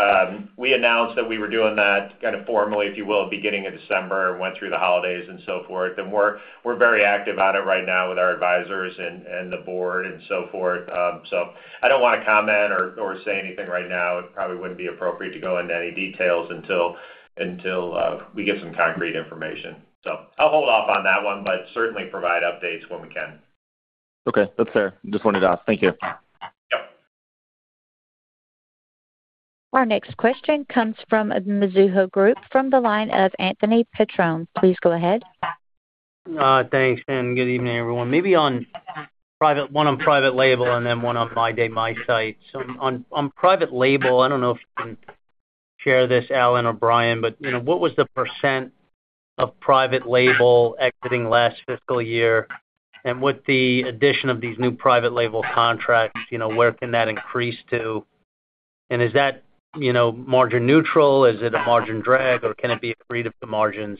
we announced that we were doing that kind of formally, if you will, beginning of December, went through the holidays and so forth. We're very active on it right now with our advisors and the board and so forth. I don't wanna comment or say anything right now. It probably wouldn't be appropriate to go into any details until we get some concrete information. I'll hold off on that one, but certainly provide updates when we can. That's fair. Just wanted to ask. Thank you. Yep. Our next question comes from Mizuho Group from the line of Anthony Petrone. Please go ahead. Thanks, good evening, everyone. Maybe one on private label and then one on MyDay MiSight. On private label, I don't know if you can share this, Al or Brian, but, you know, what was the % of private label exiting last fiscal year? With the addition of these new private label contracts, you know, where can that increase to? Is that, you know, margin neutral? Is it a margin drag, or can it be accretive to margins?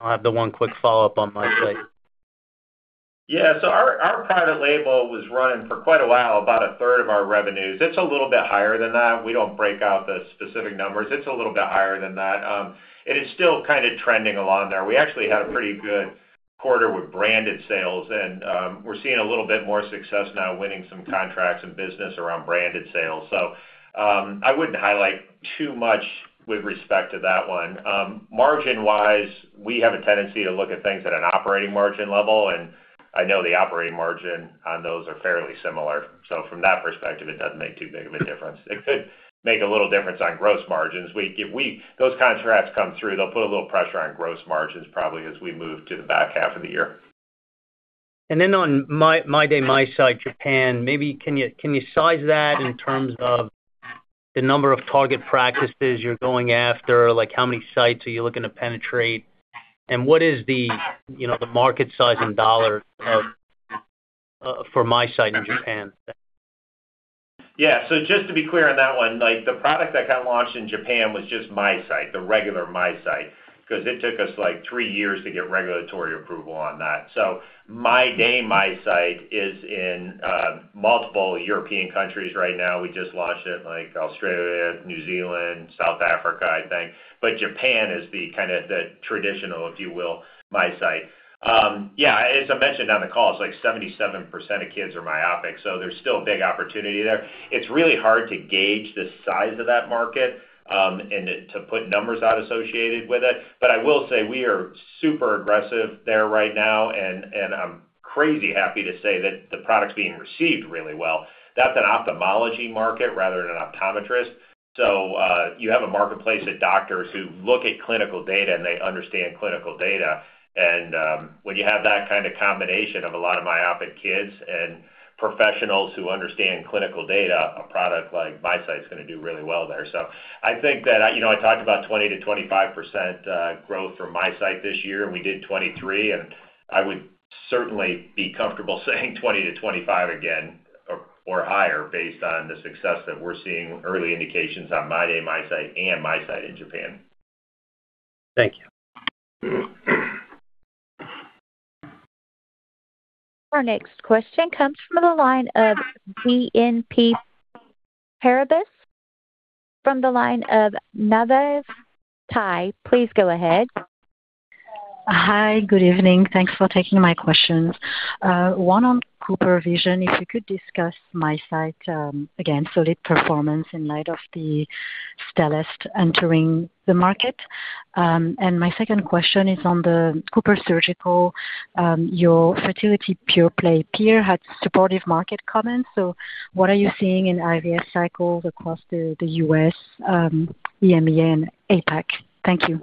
I'll have the one quick follow-up on MiSight. Yeah. Our private label was running for quite a while, about a third of our revenues. It's a little bit higher than that. We don't break out the specific numbers. It's a little bit higher than that. It's still kind of trending along there. We actually had a pretty good quarter with branded sales, we're seeing a little bit more success now winning some contracts and business around branded sales. I wouldn't highlight too much with respect to that one. Margin wise, we have a tendency to look at things at an operating margin level, I know the operating margin on those are fairly similar. From that perspective, it doesn't make too big of a difference. It could make a little difference on gross margins. If those contracts come through, they'll put a little pressure on gross margins probably as we move to the back half of the year. On MyDay MiSight Japan, maybe can you size that in terms of the number of target practices you're going after? Like, how many sites are you looking to penetrate? What is the, you know, the market size in $ of, for MiSight in Japan? So just to be clear on that one, like the product that got launched in Japan was just MiSight, the regular MiSight, because it took us, like, three years to get regulatory approval on that. MyDay MiSight is in multiple European countries right now. We just launched it in like Australia, New Zealand, South Africa, I think. Japan is the kind of the traditional, if you will, MiSight. Yeah, as I mentioned on the call, it's like 77% of kids are myopic, there's still a big opportunity there. It's really hard to gauge the size of that market, and to put numbers out associated with it. I will say we are super aggressive there right now, and I'm crazy happy to say that the product's being received really well. That's an Ophthalmology market rather than an Optometrist. You have a marketplace of doctors who look at clinical data, and they understand clinical data. When you have that kind of combination of a lot of myopic kids and professionals who understand clinical data, a product like MiSight is gonna do really well there. I think that, you know, I talked about 20%-25% growth from MiSight this year, and we did 23, and I would certainly be comfortable saying 20%-25% again or higher based on the success that we're seeing early indications on MyDay MiSight and MiSight in Japan. Thank you. Our next question comes from the line of BNP Paribas. From the line of Navaz Tai. Please go ahead. Hi. Good evening. Thanks for taking my questions. One on CooperVision, if you could discuss MiSight, again, solid performance in light of the Stelle entering the market. My second question is on the CooperSurgical, your fertility pure-play peer had supportive market comments. What are you seeing in IVF cycles across the U.S., EMEA, and APAC? Thank you.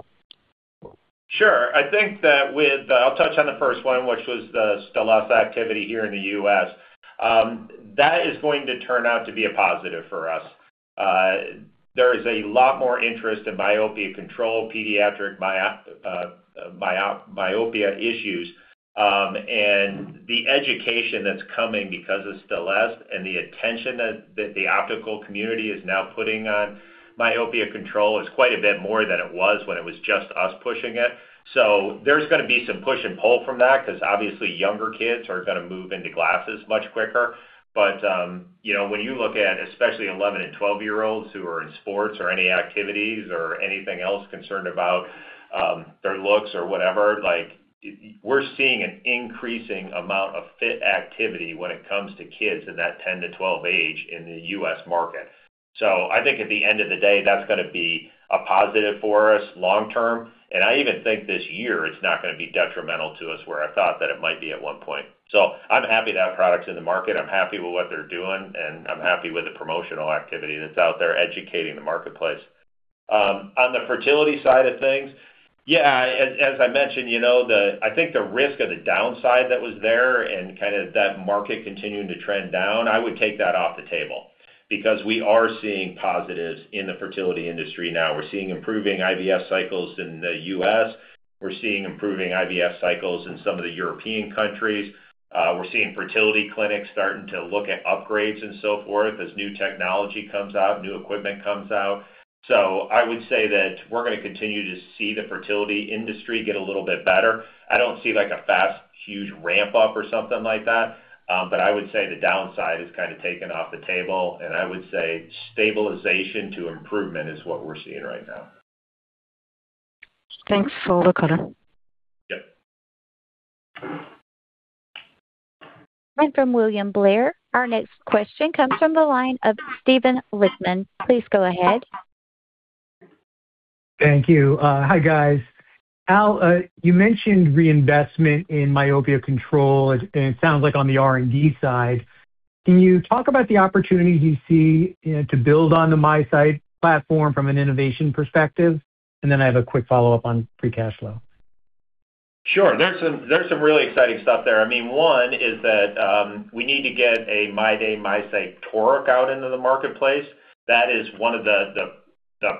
Sure. I think I'll touch on the first one, which was the Stelle activity here in the U.S. That is going to turn out to be a positive for us. There is a lot more interest in myopia control, pediatric myopia issues. The education that's coming because of Stelle and the attention that the optical community is now putting on myopia control is quite a bit more than it was when it was just us pushing it. There's gonna be some push and pull from that because obviously younger kids are gonna move into glasses much quicker. You know, when you look at especially 11- and 12-year-olds who are in sports or any activities or anything else concerned about their looks or whatever, like we're seeing an increasing amount of fit activity when it comes to kids in that 10age-12 age in the U.S. market. I think at the end of the day, that's gonna be a positive for us long term. I even think this year it's not gonna be detrimental to us where I thought that it might be at one point. I'm happy to have products in the market, I'm happy with what they're doing, and I'm happy with the promotional activity that's out there educating the marketplace. On the fertility side of things, yeah, as I mentioned, you know, I think the risk of the downside that was there and kind of that market continuing to trend down, I would take that off the table because we are seeing positives in the fertility industry now. We're seeing improving IVF cycles in the U.S. We're seeing improving IVF cycles in some of the European countries. We're seeing fertility clinics starting to look at upgrades and so forth as new technology comes out, new equipment comes out. I would say that we're gonna continue to see the fertility industry get a little bit better. I don't see like a fast, huge ramp up or something like that. I would say the downside is kind of taken off the table, and I would say stabilization to improvement is what we're seeing right now. Thanks for the color. Yep. Line from William Blair. Our next question comes from the line of Steven Lipman. Please go ahead. Thank you. Hi, guys. Al, you mentioned reinvestment in myopia control. It sounds like on the R&D side. Can you talk about the opportunities you see, you know, to build on the MiSight platform from an innovation perspective? I have a quick follow-up on free cash flow. Sure. There's some really exciting stuff there. I mean, one is that we need to get a MyDay MiSight toric out into the marketplace. That is one of the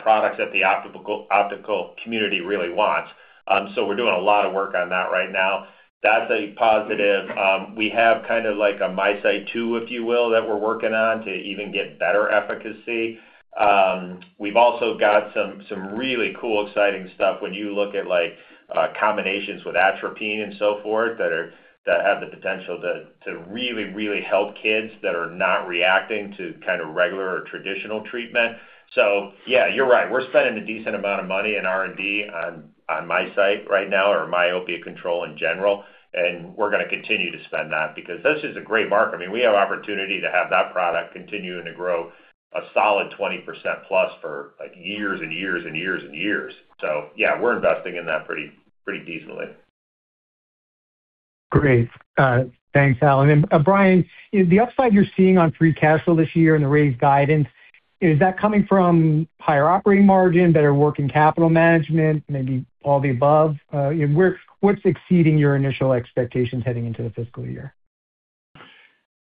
products that the optical community really wants. We're doing a lot of work on that right now. That's a positive. We have kind of like a MiSight 2, if you will, that we're working on to even get better efficacy. We've also got some really cool, exciting stuff when you look at like combinations with atropine and so forth that have the potential to really help kids that are not reacting to kind of regular or traditional treatment. Yeah, you're right. We're spending a decent amount of money in R&D on MiSight right now or myopia control in general, and we're gonna continue to spend that because this is a great market. I mean, we have opportunity to have that product continuing to grow a solid 20%+ for like years and years and years and years. Yeah, we're investing in that pretty decently. Great. thanks, Alan. Brian, is the upside you're seeing on free cash flow this year and the raised guidance, is that coming from higher operating margin, better working capital management? Maybe all the above? you know, what's exceeding your initial expectations heading into the fiscal year?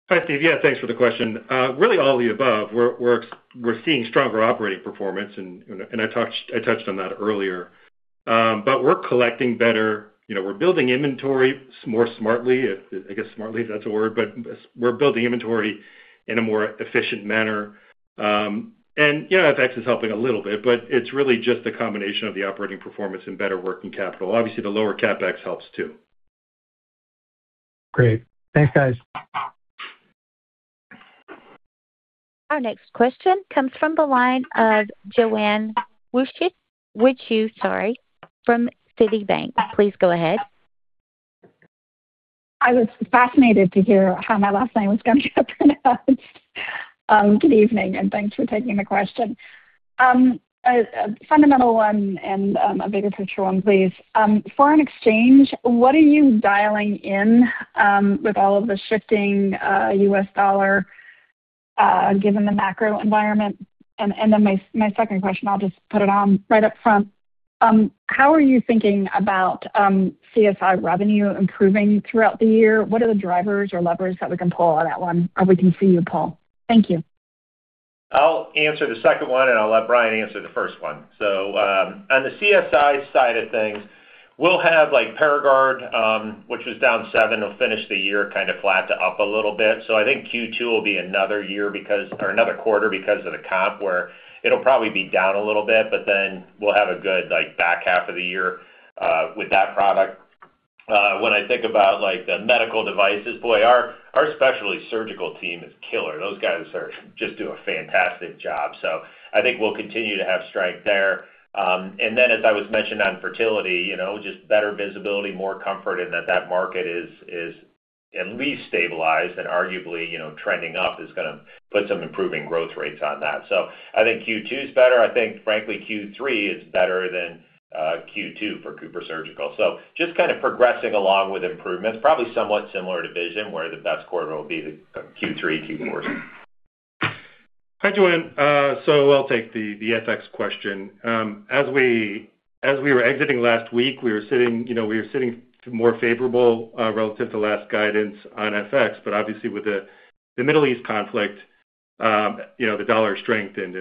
Hi, Steve. Yeah, thanks for the question. Really all of the above. We're seeing stronger operating performance and I touched on that earlier. We're collecting better, you know, we're building inventory more smartly. I guess smartly, if that's a word, we're building inventory in a more efficient manner. Yeah, FX is helping a little bit, it's really just a combination of the operating performance and better working capital. Obviously, the lower CapEx helps too. Great. Thanks, guys. Our next question comes from the line of Joanne Wuensch, sorry, from Citibank. Please go ahead. I was fascinated to hear how my last name was going to be pronounced. Good evening, thanks for taking the question. A fundamental one and a bigger picture one, please. Foreign exchange, what are you dialing in with all of the shifting U.S. dollar given the macro environment? My second question, I'll just put it on right up front. How are you thinking about CSI revenue improving throughout the year? What are the drivers or levers that we can pull on that one or we can see you pull? Thank you. I'll answer the second one, and I'll let Brian answer the first one. On the CSI side of things, we'll have like Paragard, which was down 7%, we'll finish the year kinda flat to up a little bit. I think Q2 will be another quarter because of the comp where it'll probably be down a little bit, but then we'll have a good, like, back half of the year with that product. When I think about, like, the medical devices, boy, our specialty surgical team is killer. Those guys just do a fantastic job. I think we'll continue to have strength there. As I was mentioning on fertility, you know, just better visibility, more comfort, and that market is at least stabilized and arguably, you know, trending up is gonna put some improving growth rates on that. I think Q2 is better. I think, frankly, Q3 is better than Q2 for CooperSurgical. Just kind of progressing along with improvements, probably somewhat similar to vision, where the best quarter will be the Q3, Q4. Hi, Joanne. I'll take the FX question. As we were exiting last week, we were sitting, you know, more favorable relative to last guidance on FX. Obviously with the Middle East conflict, you know, the dollar strengthened.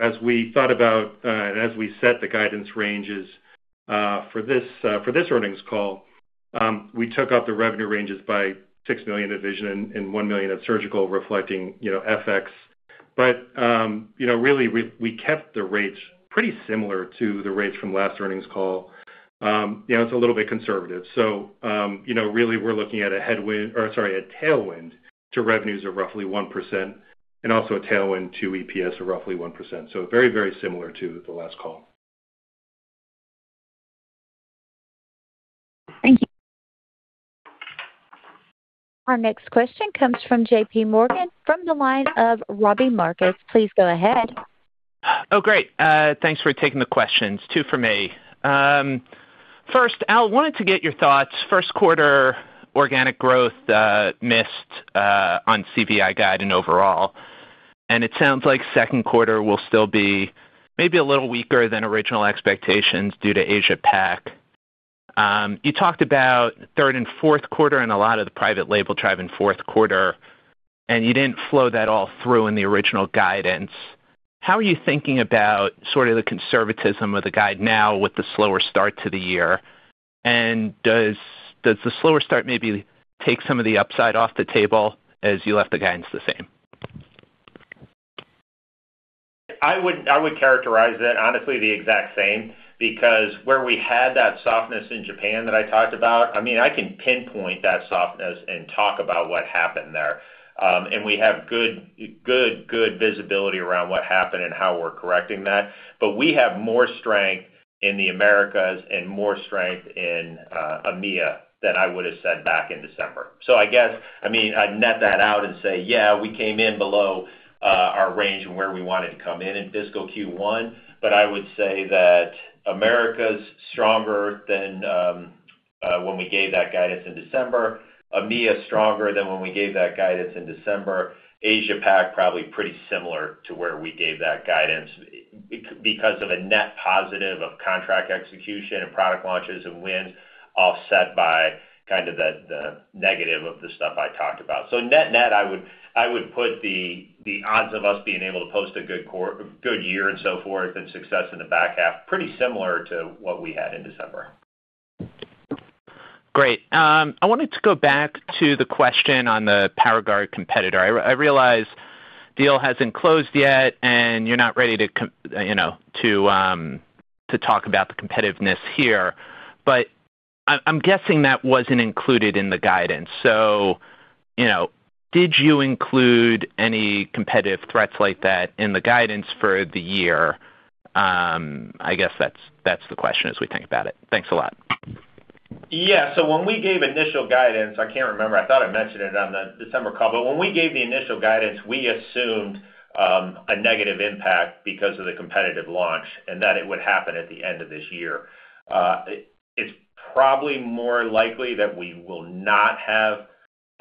As we thought about and as we set the guidance ranges for this earnings call, we took up the revenue ranges by $6 million CooperVision and $1 million of CooperSurgical reflecting, you know, FX. You know, really, we kept the rates pretty similar to the rates from last earnings call. You know, it's a little bit conservative. You know, really we're looking at a headwind or, sorry, a tailwind to revenues of roughly 1% and also a tailwind to EPS of roughly 1%. Very, very similar to the last call. Thank you. Our next question comes from JP Morgan from the line of Robbie Marcus. Please go ahead. Great. Thanks for taking the questions. Two for me. First, Al, wanted to get your thoughts. First quarter organic growth missed on CVI guide and overall, and it sounds like second quarter will still be maybe a little weaker than original expectations due to Asia Pac. You talked about third and fourth quarter and a lot of the private label drive in fourth quarter, and you didn't flow that all through in the original guidance. How are you thinking about sort of the conservatism of the guide now with the slower start to the year? Does the slower start maybe take some of the upside off the table as you left the guidance the same? I would characterize that honestly the exact same because where we had that softness in Japan that I talked about, I mean, I can pinpoint that softness and talk about what happened there. And we have good visibility around what happened and how we're correcting that. We have more strength in the Americas and more strength in EMEA than I would have said back in December. I guess, I mean, I'd net that out and say, yeah, we came in below our range and where we wanted to come in in fiscal Q1. I would say that America's stronger than when we gave that guidance in December. EMEA's stronger than when we gave that guidance in December. Asia Pac, probably pretty similar to where we gave that guidance because of a net positive of contract execution and product launches and wins, offset by kind of the negative of the stuff I talked about. Net-net, I would put the odds of us being able to post a good year and so forth and success in the back half, pretty similar to what we had in December. Great. I wanted to go back to the question on the Paragard competitor. I realize deal hasn't closed yet and you're not ready to you know, to talk about the competitiveness here, but I'm guessing that wasn't included in the guidance. You know, did you include any competitive threats like that in the guidance for the year? I guess that's the question as we think about it. Thanks a lot. Yeah. When we gave initial guidance, I can't remember, I thought I mentioned it on the December call, but when we gave the initial guidance, we assumed a negative impact because of the competitive launch, and that it would happen at the end of this year. It's probably more likely that we will not have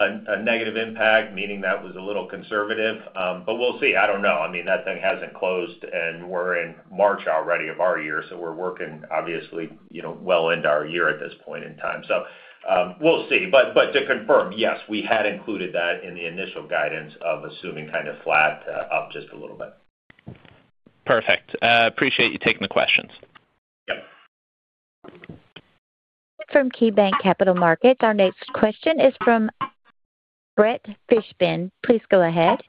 a negative impact, meaning that was a little conservative, but we'll see. I don't know. I mean, that thing hasn't closed, and we're in March already of our year, so we're working obviously, you know, well into our year at this point in time. So, we'll see. To confirm, yes, we had included that in the initial guidance of assuming kind of flat to up just a little bit. Perfect. Appreciate you taking the questions. Yep. From KeyBanc Capital Markets, our next question is from Brett Fishman. Please go ahead.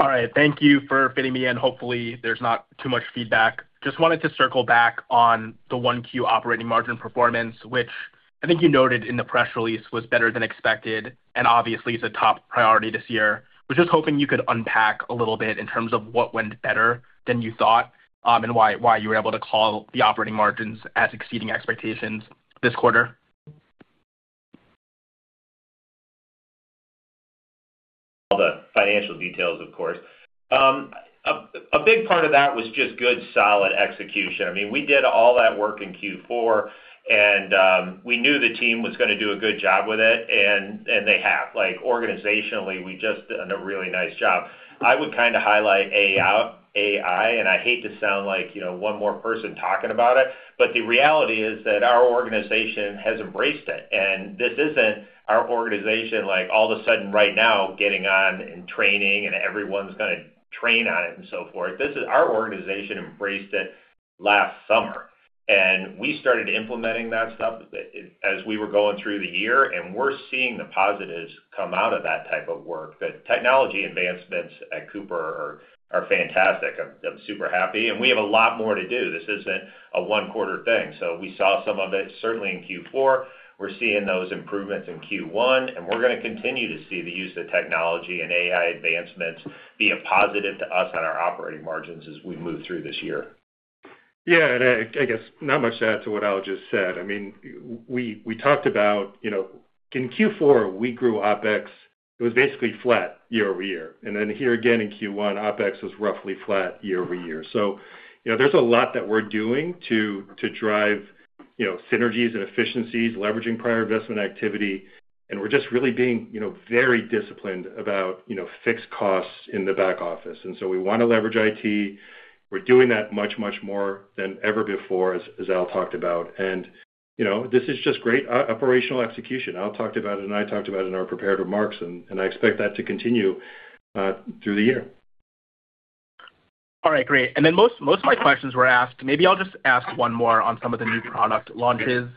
All right. Thank you for fitting me in. Hopefully, there's not too much feedback. Just wanted to circle back on the 1Q operating margin performance, which I think you noted in the press release was better than expected and obviously is a top priority this year. Was just hoping you could unpack a little bit in terms of what went better than you thought, and why you were able to call the operating margins as exceeding expectations this quarter. All the financial details, of course. A big part of that was just good, solid execution. I mean, we did all that work in Q4, and we knew the team was gonna do a good job with it, and they have. Like, organizationally, we just done a really nice job. I would kinda highlight AI, and I hate to sound like, you know, one more person talking about it, but the reality is that our organization has embraced it. This isn't our organization like all of a sudden right now getting on and training and everyone's gonna train on it and so forth. This is our organization embraced it last summer, and we started implementing that stuff as we were going through the year, and we're seeing the positives come out of that type of work. The technology advancements at Cooper are fantastic. I'm super happy, and we have a lot more to do. This isn't a one-quarter thing. We saw some of it certainly in Q4. We're seeing those improvements in Q1, we're going to continue to see the use of technology and AI advancements be a positive to us on our operating margins as we move through this year. I guess not much to add to what Al just said. I mean, we talked about, you know, in Q4, we grew OpEx. It was basically flat year-over-year. Here again in Q1, OpEx was roughly flat year-over-year. You know, there's a lot that we're doing to drive, you know, synergies and efficiencies, leveraging prior investment activity. We're just really being, you know, very disciplined about, you know, fixed costs in the back office. We wanna leverage IT. We're doing that much more than ever before, as Al talked about. You know, this is just great operational execution. Al talked about it and I talked about it in our prepared remarks, and I expect that to continue through the year. All right, great. Most of my questions were asked. Maybe I'll just ask one more on some of the new product launches.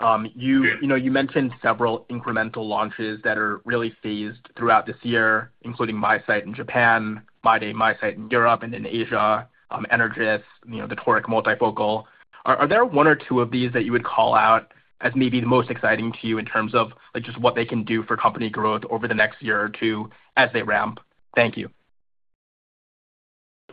You know, you mentioned several incremental launches that are really phased throughout this year, including MiSight in Japan, MyDay MiSight in Europe and in Asia, Energys, you know, the toric multifocal. Are there one or two of these that you would call out as maybe the most exciting to you in terms of, like, just what they can do for company growth over the next year or two as they ramp? Thank you.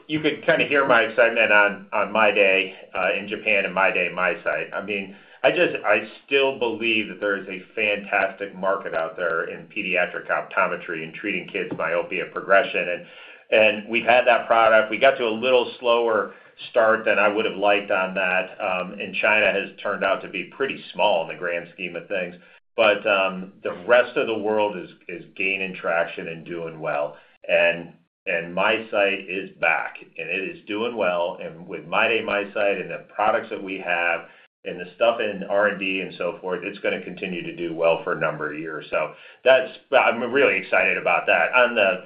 You could kinda hear my excitement on MyDay in Japan and MyDay MiSight. I mean, I still believe that there is a fantastic market out there in pediatric optometry and treating kids' myopia progression. We've had that product. We got to a little slower start than I would've liked on that, and China has turned out to be pretty small in the grand scheme of things. The rest of the world is gaining traction and doing well. MiSight is back, and it is doing well. With MyDay MiSight and the products that we have and the stuff in R&D and so forth, it's gonna continue to do well for a number of years. I'm really excited about that. On the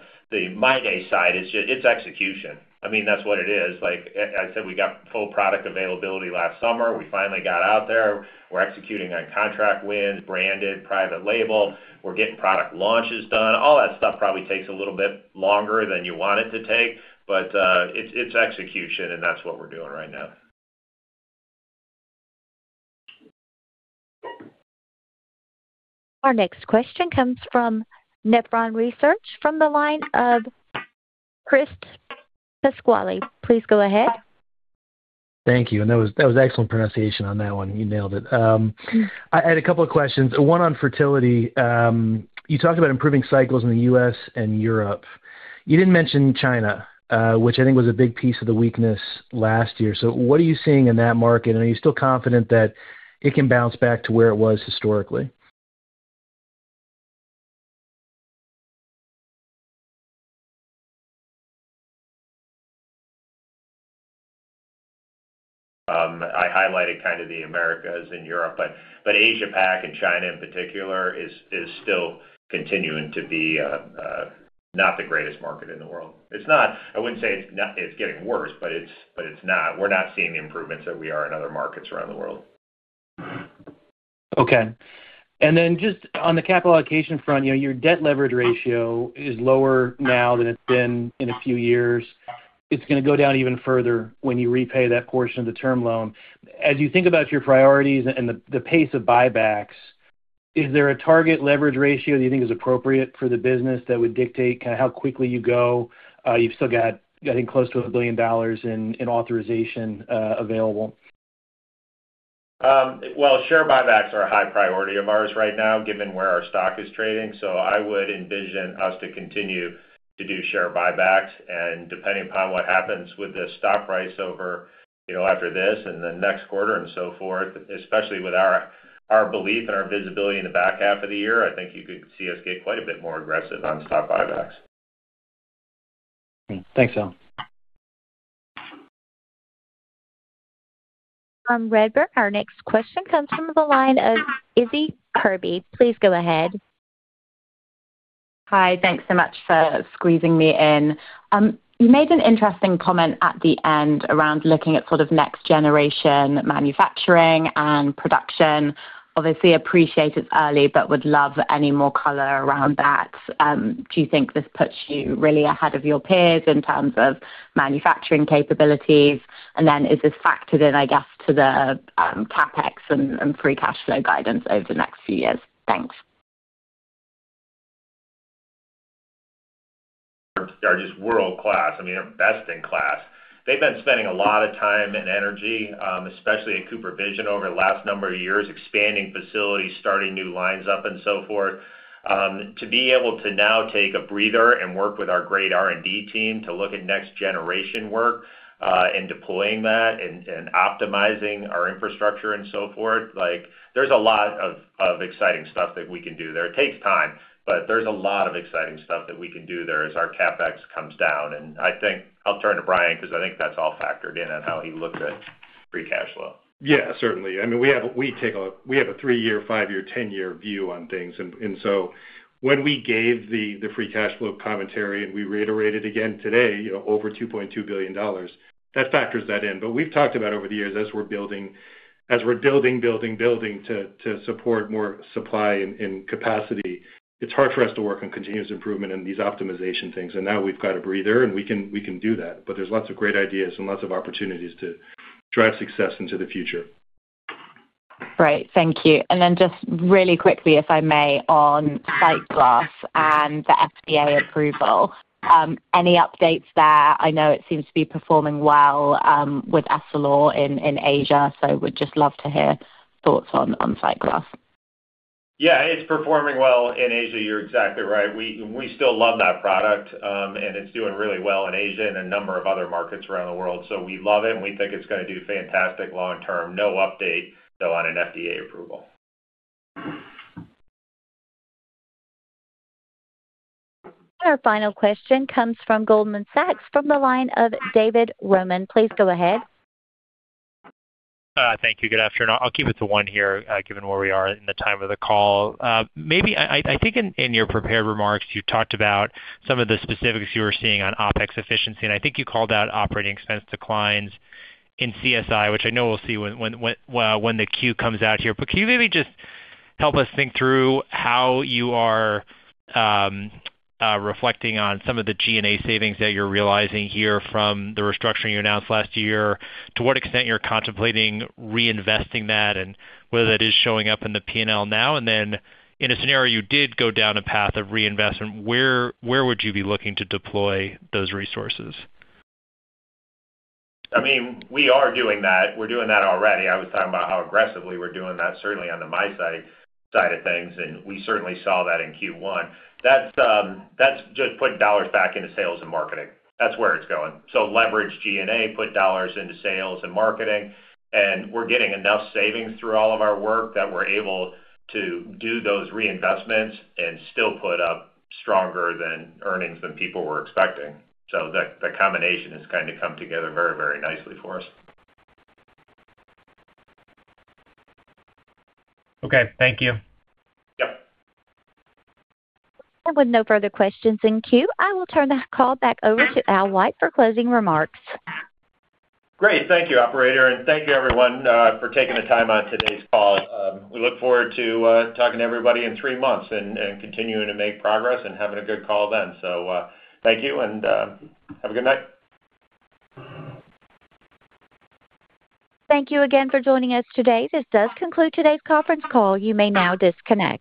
MyDay side, it's execution. I mean, that's what it is. Like I said, we got full product availability last summer. We finally got out there. We're executing on contract wins, branded, private label. We're getting product launches done. All that stuff probably takes a little bit longer than you want it to take, but it's execution, and that's what we're doing right now. Our next question comes from Nephron Research, from the line of Chris Pasquale. Please go ahead. Thank you. That was excellent pronunciation on that one. You nailed it. I had a couple of questions, one on fertility. You talked about improving cycles in the US and Europe. You didn't mention China, which I think was a big piece of the weakness last year. What are you seeing in that market? Are you still confident that it can bounce back to where it was historically? I highlighted kind of the Americas and Europe, Asia Pac and China in particular is still continuing to be not the greatest market in the world. I wouldn't say it's getting worse, but it's not. We're not seeing the improvements that we are in other markets around the world. Okay. Just on the capital allocation front, you know, your debt leverage ratio is lower now than it's been in a few years. It's gonna go down even further when you repay that portion of the term loan. As you think about your priorities and the pace of buybacks, is there a target leverage ratio that you think is appropriate for the business that would dictate kind of how quickly you go? You've still got, I think, close to $1 billion in authorization available. Well, share buybacks are a high priority of ours right now, given where our stock is trading. I would envision us to continue to do share buybacks and depending upon what happens with the stock price over, you know, after this and the next quarter and so forth, especially with our belief and our visibility in the back half of the year, you could see us get quite a bit more aggressive on stock buybacks. Thanks, Al. Redburn, our next question comes from the line of Issie Kirby. Please go ahead. Hi. Thanks so much for squeezing me in. You made an interesting comment at the end around looking at sort of next generation manufacturing and production. Obviously appreciated early, but would love any more color around that. Do you think this puts you really ahead of your peers in terms of manufacturing capabilities? Is this factored in, I guess, to the CapEx and free cash flow guidance over the next few years? Thanks. Are just world-class. I mean, they're best in class. They've been spending a lot of time and energy, especially at CooperVision over the last number of years, expanding facilities, starting new lines up and so forth. To be able to now take a breather and work with our great R&D team to look at next generation work, and deploying that and optimizing our infrastructure and so forth, like, there's a lot of exciting stuff that we can do there. It takes time, but there's a lot of exciting stuff that we can do there as our CapEx comes down. I think I'll turn to Brian because I think that's all factored in on how he looked at free cash flow. Yeah, certainly. I mean, we have a three-year, five-year, ten-year view on things. When we gave the free cash flow commentary, and we reiterated again today, you know, over $2.2 billion, that factors that in. We've talked about over the years, as we're building to support more supply and capacity, it's hard for us to work on continuous improvement and these optimization things. Now we've got a breather, and we can do that. There's lots of great ideas and lots of opportunities to drive success into the future. Great. Thank you. Then just really quickly, if I may, on SightGlass and the FDA approval. Any updates there? I know it seems to be performing well, with Essilor in Asia, so would just love to hear thoughts on SightGlass. Yeah, it's performing well in Asia. You're exactly right. We still love that product, and it's doing really well in Asia and a number of other markets around the world. We love it, and we think it's gonna do fantastic long term. No update, though, on an FDA approval. Our final question comes from Goldman Sachs from the line of David Roman. Please go ahead. Thank you. Good afternoon. I'll keep it to one here, given where we are in the time of the call. Maybe I think in your prepared remarks, you talked about some of the specifics you were seeing on OpEx efficiency, and I think you called out operating expense declines in CSI, which I know we'll see when the Q comes out here. Can you maybe just help us think through how you are reflecting on some of the G&A savings that you're realizing here from the restructuring you announced last year, to what extent you're contemplating reinvesting that and whether that is showing up in the P&L now? In a scenario you did go down a path of reinvestment, where would you be looking to deploy those resources? I mean, we are doing that. We're doing that already. I was talking about how aggressively we're doing that, certainly on the MiSight side of things, and we certainly saw that in Q1. That's just putting dollars back into sales and marketing. That's where it's going. Leverage G&A, put dollars into sales and marketing, and we're getting enough savings through all of our work that we're able to do those reinvestments and still put up stronger than earnings than people were expecting. The combination has kinda come together very nicely for us. Okay. Thank you. Yep. With no further questions in queue, I will turn the call back over to Al White for closing remarks. Great. Thank you, operator, and thank you, everyone, for taking the time on today's call. We look forward to talking to everybody in three months and continuing to make progress and having a good call then. Thank you and have a good night. Thank you again for joining us today. This does conclude today's conference call. You may now disconnect.